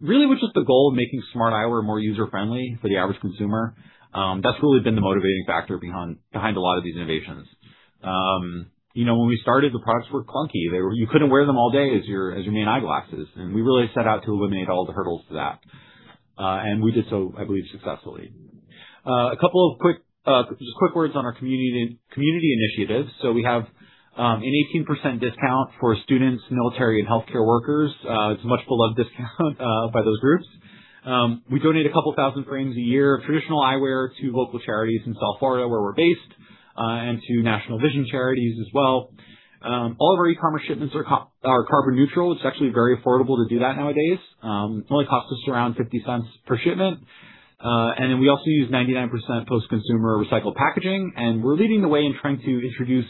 with just the goal of making smart eyewear more user-friendly for the average consumer. That's really been the motivating factor behind a lot of these innovations. When we started, the products were clunky. You couldn't wear them all day as your main eyeglasses. We really set out to eliminate all the hurdles to that. We did so, I believe, successfully. A couple of just quick words on our community initiatives. We have an 18% discount for students, military, and healthcare workers. It's a much-beloved discount by those groups. We donate a couple of thousand frames a year of traditional eyewear to local charities in South Florida, where we're based, and to national vision charities as well. All of our e-commerce shipments are carbon neutral. It's actually very affordable to do that nowadays. It only costs us around $0.50 per shipment. We also use 99% post-consumer recycled packaging, and we're leading the way in trying to introduce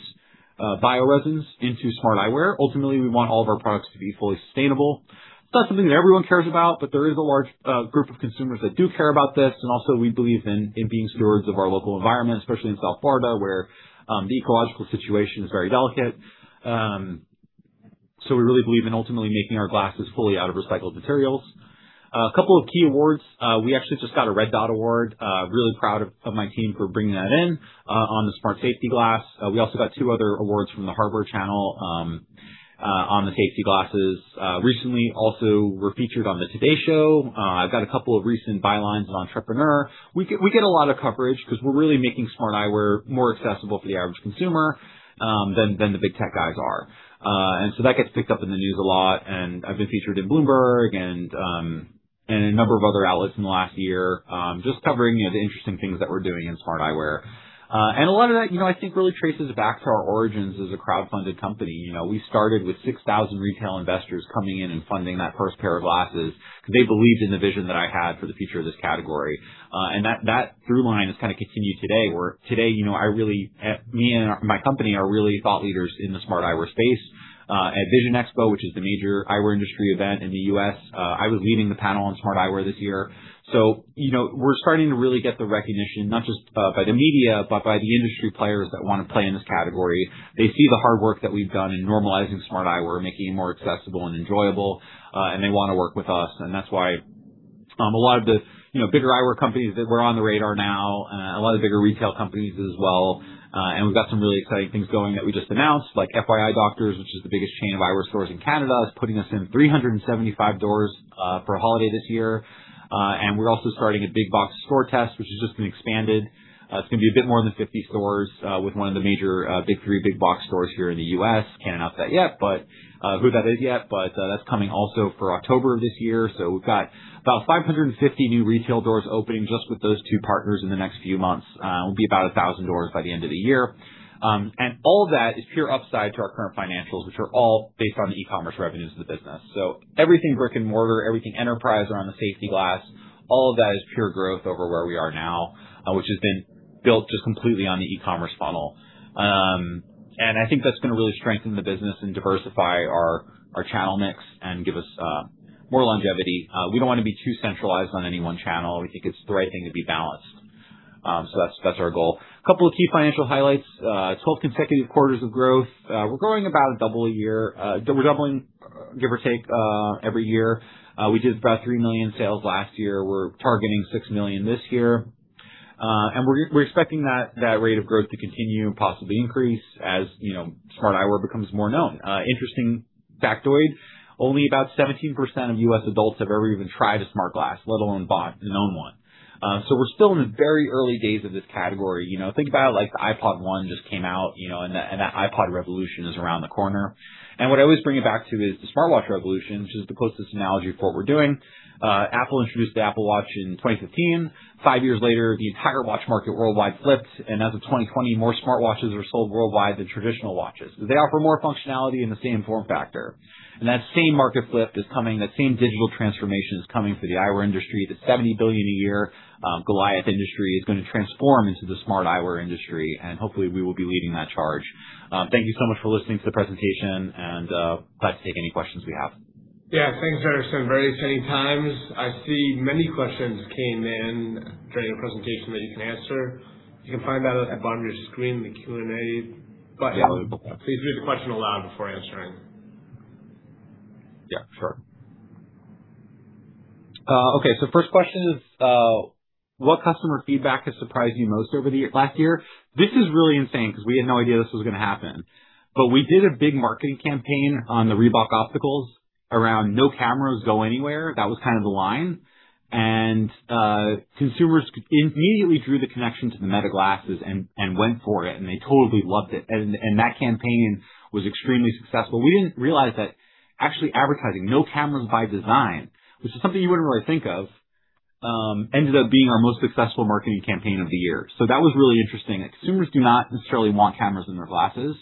bioresins into smart eyewear. Ultimately, we want all of our products to be fully sustainable. It's not something that everyone cares about, but there is a large group of consumers that do care about this, and also we believe in being stewards of our local environment, especially in South Florida, where the ecological situation is very delicate. We really believe in ultimately making our glasses fully out of recycled materials. A couple of key awards. We actually just got a Red Dot award. Really proud of my team for bringing that in on the smart safety glass. We also got two other awards from the Hardware Channel on the safety glasses. Recently, also, we're featured on The Today Show. I've got a couple of recent bylines on Entrepreneur. We get a lot of coverage because we're really making smart eyewear more accessible for the average consumer than the big tech guys are. That gets picked up in the news a lot, and I've been featured in Bloomberg and a number of other outlets in the last year, just covering the interesting things that we're doing in smart eyewear. A lot of that, I think, really traces back to our origins as a crowdfunded company. We started with 6,000 retail investors coming in and funding that first pair of glasses because they believed in the vision that I had for the future of this category. That through line has kind of continued today, where today, me and my company are really thought leaders in the smart eyewear space. At Vision Expo, which is the major eyewear industry event in the U.S., I was leading the panel on smart eyewear this year. We're starting to really get the recognition, not just by the media, but by the industry players that want to play in this category. They see the hard work that we've done in normalizing smart eyewear, making it more accessible and enjoyable, and they want to work with us. That's why a lot of the bigger eyewear companies that we're on the radar now, a lot of the bigger retail companies as well, we've got some really exciting things going that we just announced, like FYidoctors, which is the biggest chain of eyewear stores in Canada, is putting us in 375 doors for holiday this year. We're also starting a big box store test, which has just been expanded. It's going to be a bit more than 50 stores with one of the major big three big box stores here in the U.S. Can't announce that yet, but who that is yet, but that's coming also for October of this year. We've got about 550 new retail doors opening just with those two partners in the next few months. We'll be about 1,000 doors by the end of the year. All of that is pure upside to our current financials, which are all based on the e-commerce revenues of the business. Everything brick and mortar, everything enterprise around the safety glass, all of that is pure growth over where we are now, which has been built just completely on the e-commerce funnel. I think that's going to really strengthen the business and diversify our channel mix and give us more longevity. We don't want to be too centralized on any one channel. We think it's the right thing to be balanced. That's our goal. A couple of key financial highlights. 12 consecutive quarters of growth. We're growing about double a year. We're doubling, give or take, every year. We did about 3 million sales last year. We're targeting 6 million this year. We're expecting that rate of growth to continue, possibly increase as smart eyewear becomes more known. Interesting factoid, only about 17% of U.S. adults have ever even tried a smart glass, let alone bought and own one. We're still in the very early days of this category. Think about it like the iPod 1 just came out, that iPod revolution is around the corner. What I always bring it back to is the smartwatch revolution, which is the closest analogy to what we're doing. Apple introduced the Apple Watch in 2015. Five years later, the entire watch market worldwide flipped, and as of 2020, more smartwatches were sold worldwide than traditional watches. They offer more functionality in the same form factor. That same market flip is coming, that same digital transformation is coming for the eyewear industry. The 70 billion a year Goliath industry is going to transform into the smart eyewear industry, and hopefully, we will be leading that charge. Thank you so much for listening to the presentation, and glad to take any questions we have. Yeah. Thanks, Harrison. Very exciting times. I see many questions came in during your presentation that you can answer. You can find that at the bottom of your screen, the Q&A button. Yeah. Please read the question aloud before answering. Yeah, sure. Okay, first question is, what customer feedback has surprised you most over the last year? This is really insane because we had no idea this was going to happen. We did a big marketing campaign on the Reebok Opticals around no cameras go anywhere. That was kind of the line. Consumers immediately drew the connection to the meta glasses and went for it, and they totally loved it. That campaign was extremely successful. We didn't realize that actually advertising no cameras by design, which is something you wouldn't really think of, ended up being our most successful marketing campaign of the year. That was really interesting. Consumers do not necessarily want cameras in their glasses.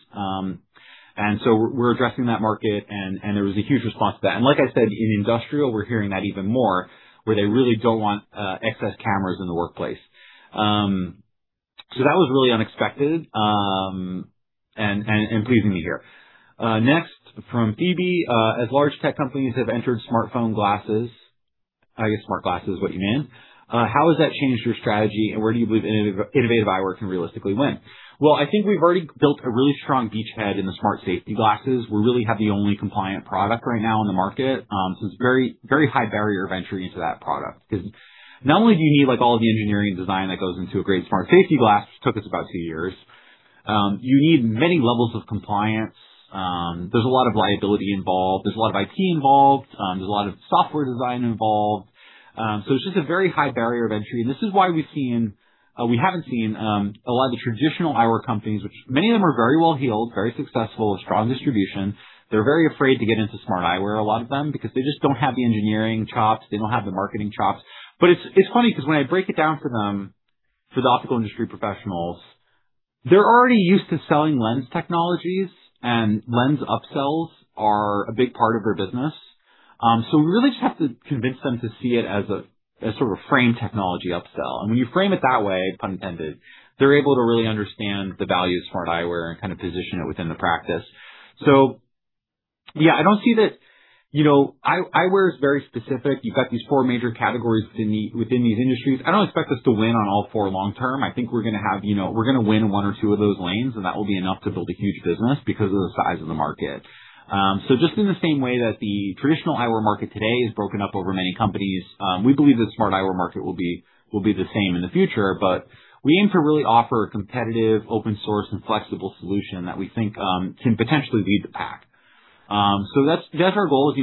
We're addressing that market, and there was a huge response to that. Like I said, in industrial, we're hearing that even more, where they really don't want excess cameras in the workplace. That was really unexpected, and pleasing to hear. Next from Phoebe, as large tech companies have entered smartphone glasses, I guess smart glasses is what you mean, how has that changed your strategy, and where do you believe Innovative Eyewear can realistically win? Well, I think we've already built a really strong beachhead in the smart safety glasses. We really have the only compliant product right now on the market. It's very high barrier of entry into that product because not only do you need all of the engineering and design that goes into a great smart safety glass, took us about two years, you need many levels of compliance. There's a lot of liability involved. There's a lot of IT involved. There's a lot of software design involved. It's just a very high barrier of entry, and this is why we haven't seen a lot of the traditional eyewear companies, which many of them are very well-heeled, very successful, with strong distribution. They're very afraid to get into smart eyewear, a lot of them, because they just don't have the engineering chops, they don't have the marketing chops. It's funny because when I break it down for them, for the optical industry professionals, they're already used to selling lens technologies, and lens upsells are a big part of their business. We really just have to convince them to see it as a sort of frame technology upsell. When you frame it that way, pun intended, they're able to really understand the value of smart eyewear and kind of position it within the practice. Eyewear is very specific. You've got these four major categories within these industries. I don't expect us to win on all four long term. I think we're going to win one or two of those lanes, and that will be enough to build a huge business because of the size of the market. Just in the same way that the traditional eyewear market today is broken up over many companies, we believe the smart eyewear market will be the same in the future, but we aim to really offer a competitive, open source, and flexible solution that we think can potentially lead the pack. That's our goal is,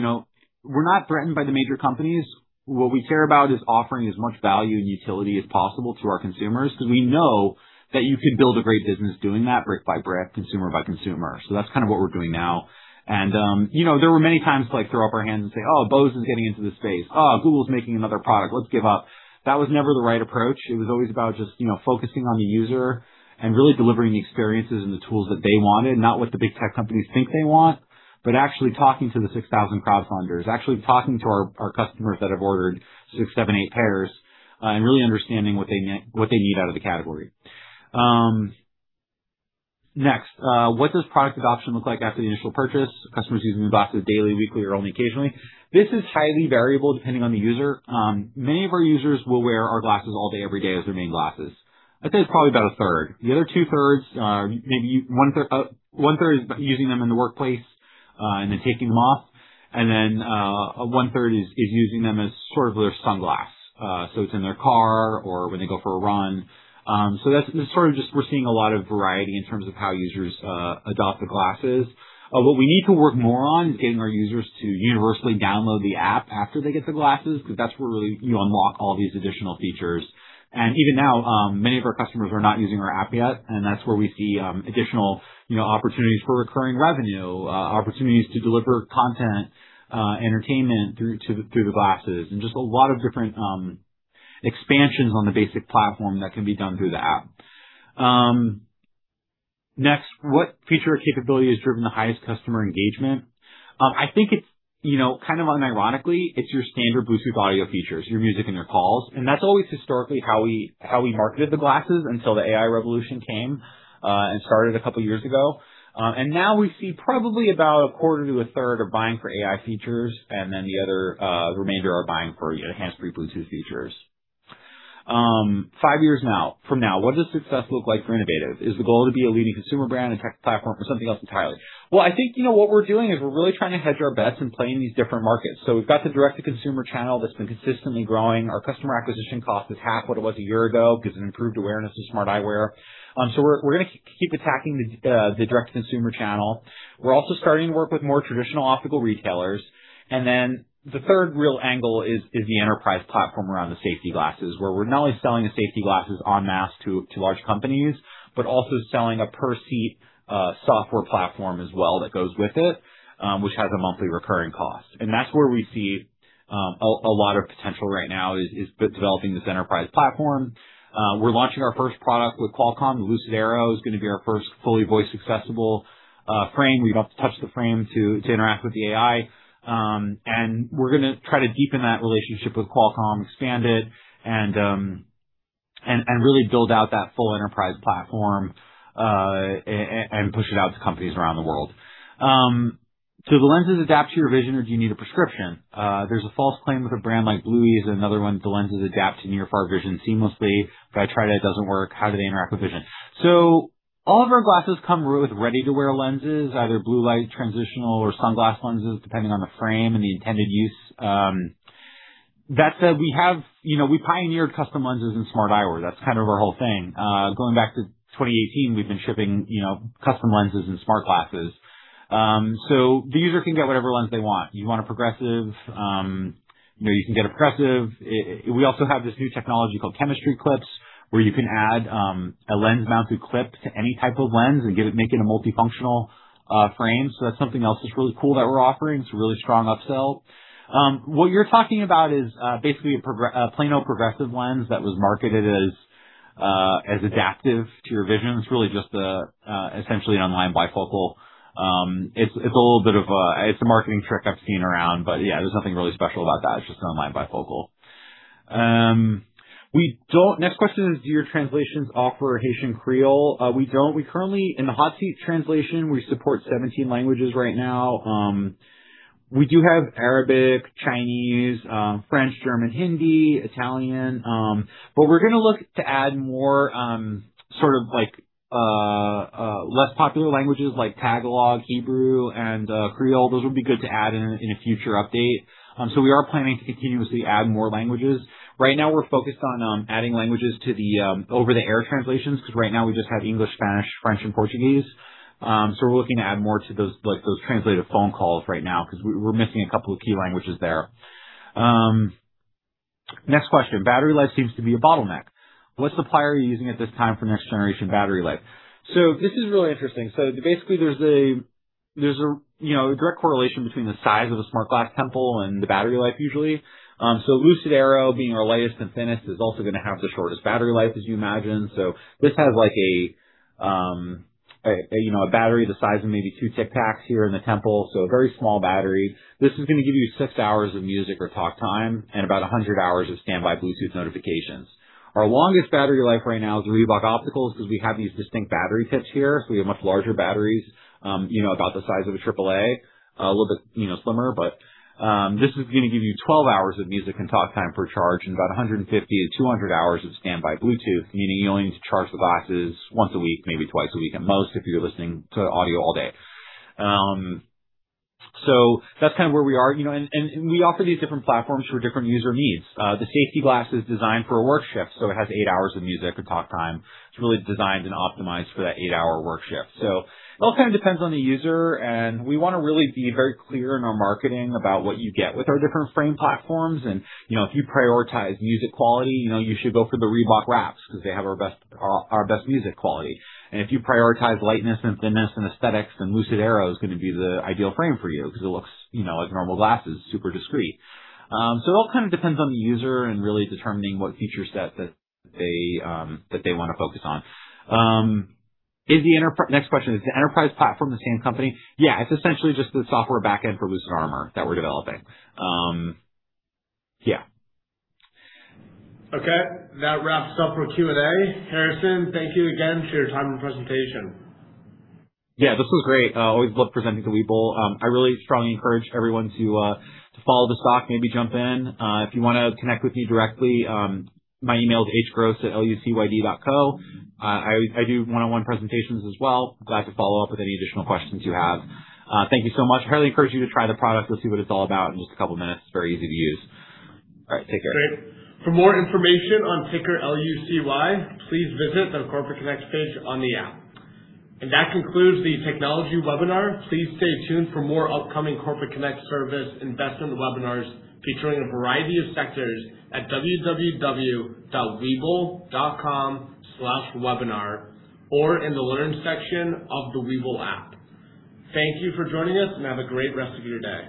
we're not threatened by the major companies. What we care about is offering as much value and utility as possible to our consumers because we know that you could build a great business doing that brick by brick, consumer by consumer. That's kind of what we're doing now. There were many times to throw up our hands and say, "Oh, Bose is getting into this space. Oh, Google's making another product. Let's give up." That was never the right approach. It was always about just focusing on the user and really delivering the experiences and the tools that they wanted, not what the big tech companies think they want, but actually talking to the 6,000 crowdfunders, actually talking to our customers that have ordered six, seven, eight pairs and really understanding what they need out of the category. Next, what does product adoption look like after the initial purchase? Are customers using the glasses daily, weekly, or only occasionally? This is highly variable depending on the user. Many of our users will wear our glasses all day, every day as their main glasses. I'd say it's probably about a third. The other two thirds, maybe one-third is using them in the workplace, and then taking them off, and then one-third is using them as sort of their sunglass. It's in their car or when they go for a run. That's sort of just we're seeing a lot of variety in terms of how users adopt the glasses. What we need to work more on is getting our users to universally download the app after they get the glasses, because that's where really you unlock all these additional features. Even now, many of our customers are not using our app yet, and that's where we see additional opportunities for recurring revenue, opportunities to deliver content, entertainment through the glasses, and just a lot of different expansions on the basic platform that can be done through the app. Next, what feature or capability has driven the highest customer engagement? I think it's, kind of unironically, it's your standard Bluetooth audio features, your music and your calls. That's always historically how we marketed the glasses until the AI revolution came and started a couple of years ago. Now we see probably about a quarter to a third are buying for AI features, and then the other remainder are buying for enhanced free Bluetooth features. 5 years from now, what does success look like for Innovative? Is the goal to be a leading consumer brand and tech platform or something else entirely? I think what we're doing is we're really trying to hedge our bets and play in these different markets. We've got the direct-to-consumer channel that's been consistently growing. Our customer acquisition cost is half what it was 1 year ago because of improved awareness of smart eyewear. So we're going to keep attacking the direct-to-consumer channel. We're also starting to work with more traditional optical retailers. Then the third real angle is the enterprise platform around the safety glasses, where we're not only selling the safety glasses en masse to large companies, but also selling a per-seat software platform as well that goes with it, which has a monthly recurring cost. That's where we see a lot of potential right now, is developing this enterprise platform. We're launching our first product with Qualcomm. The Lucyd Arrow is going to be our first fully voice-accessible frame. Where you don't have to touch the frame to interact with the AI. We're going to try to deepen that relationship with Qualcomm, expand it, and really build out that full enterprise platform, and push it out to companies around the world. "Do the lenses adapt to your vision, or do you need a prescription?" There's a false claim with a brand like Blueye Eyewear and other ones. The lenses adapt to near-far vision seamlessly, but I tried it doesn't work. "How do they interact with vision?" So all of our glasses come with ready-to-wear lenses, either blue light, transitional, or sunglass lenses, depending on the frame and the intended use. That said, we pioneered custom lenses in smart eyewear. That's kind of our whole thing. Going back to 2018, we've been shipping custom lenses in smart glasses. So the user can get whatever lens they want. You want a progressive, you can get a progressive. We also have this new technology called Chemistry Clips, where you can add a lens-mounted clip to any type of lens and make it a multifunctional frame. So that's something else that's really cool that we're offering. It's a really strong upsell. What you're talking about is basically a plano progressive lens that was marketed as adaptive to your vision. It's really just essentially an online bifocal. It's a marketing trick I've seen around, but yeah, there's nothing really special about that. It's just an online bifocal. Next question is, "Do your translations offer Haitian Creole?" We don't. We currently, in the hot seat translation, we support 17 languages right now. We do have Arabic, Chinese, French, German, Hindi, Italian. We're going to look to add more sort of less popular languages like Tagalog, Hebrew, and Creole. Those would be good to add in a future update. We are planning to continuously add more languages. Right now, we're focused on adding languages to the over-the-air translations, because right now we just have English, Spanish, French, and Portuguese. We're looking to add more to those translated phone calls right now, because we're missing a couple of key languages there. Next question. "Battery life seems to be a bottleneck. What supplier are you using at this time for next generation battery life?" This is really interesting. Basically, there's a direct correlation between the size of the smart glass temple and the battery life usually. Lucyd Arrow, being our lightest and thinnest, is also going to have the shortest battery life, as you imagine. This has a battery the size of maybe two Tic Tacs here in the temple, so a very small battery. This is going to give you six hours of music or talk time and about 100 hours of standby Bluetooth notifications. Our longest battery life right now is Reebok Opticals, because we have these distinct battery pits here. We have much larger batteries, about the size of a triple A. A little bit slimmer, but this is going to give you 12 hours of music and talk time per charge and about 150-200 hours of standby Bluetooth, meaning you only need to charge the glasses once a week, maybe twice a week at most, if you're listening to audio all day. That's kind of where we are. We offer these different platforms for different user needs. The safety glass is designed for a work shift, it has eight hours of music and talk time. It's really designed and optimized for that eight-hour work shift. It all kind of depends on the user, and we want to really be very clear in our marketing about what you get with our different frame platforms. If you prioritize music quality, you should go for the Reebok wraps because they have our best music quality. If you prioritize lightness and thinness and aesthetics, Lucyd Arrow is going to be the ideal frame for you because it looks like normal glasses, super discreet. It all kind of depends on the user and really determining what feature set that they want to focus on. Next question, "Is the enterprise platform the same company?" Yeah, it's essentially just the software backend for Lucyd Armor that we're developing. Yeah. Okay. That wraps up our Q&A. Harrison, thank you again for your time and presentation. Yeah, this was great. I always love presenting to Webull. I really strongly encourage everyone to follow the stock, maybe jump in. If you want to connect with me directly, my email is hgross@lucyd.co. I do one-on-one presentations as well. Glad to follow up with any additional questions you have. Thank you so much. I highly encourage you to try the product. You'll see what it's all about in just a couple of minutes. It's very easy to use. All right, take care. Great. For more information on ticker LUCY, please visit the Corporate Connect page on the app. That concludes the technology webinar. Please stay tuned for more upcoming Corporate Connect service investment webinars featuring a variety of sectors at www.webull.com/webinar or in the Learn section of the Webull app. Thank you for joining us, and have a great rest of your day.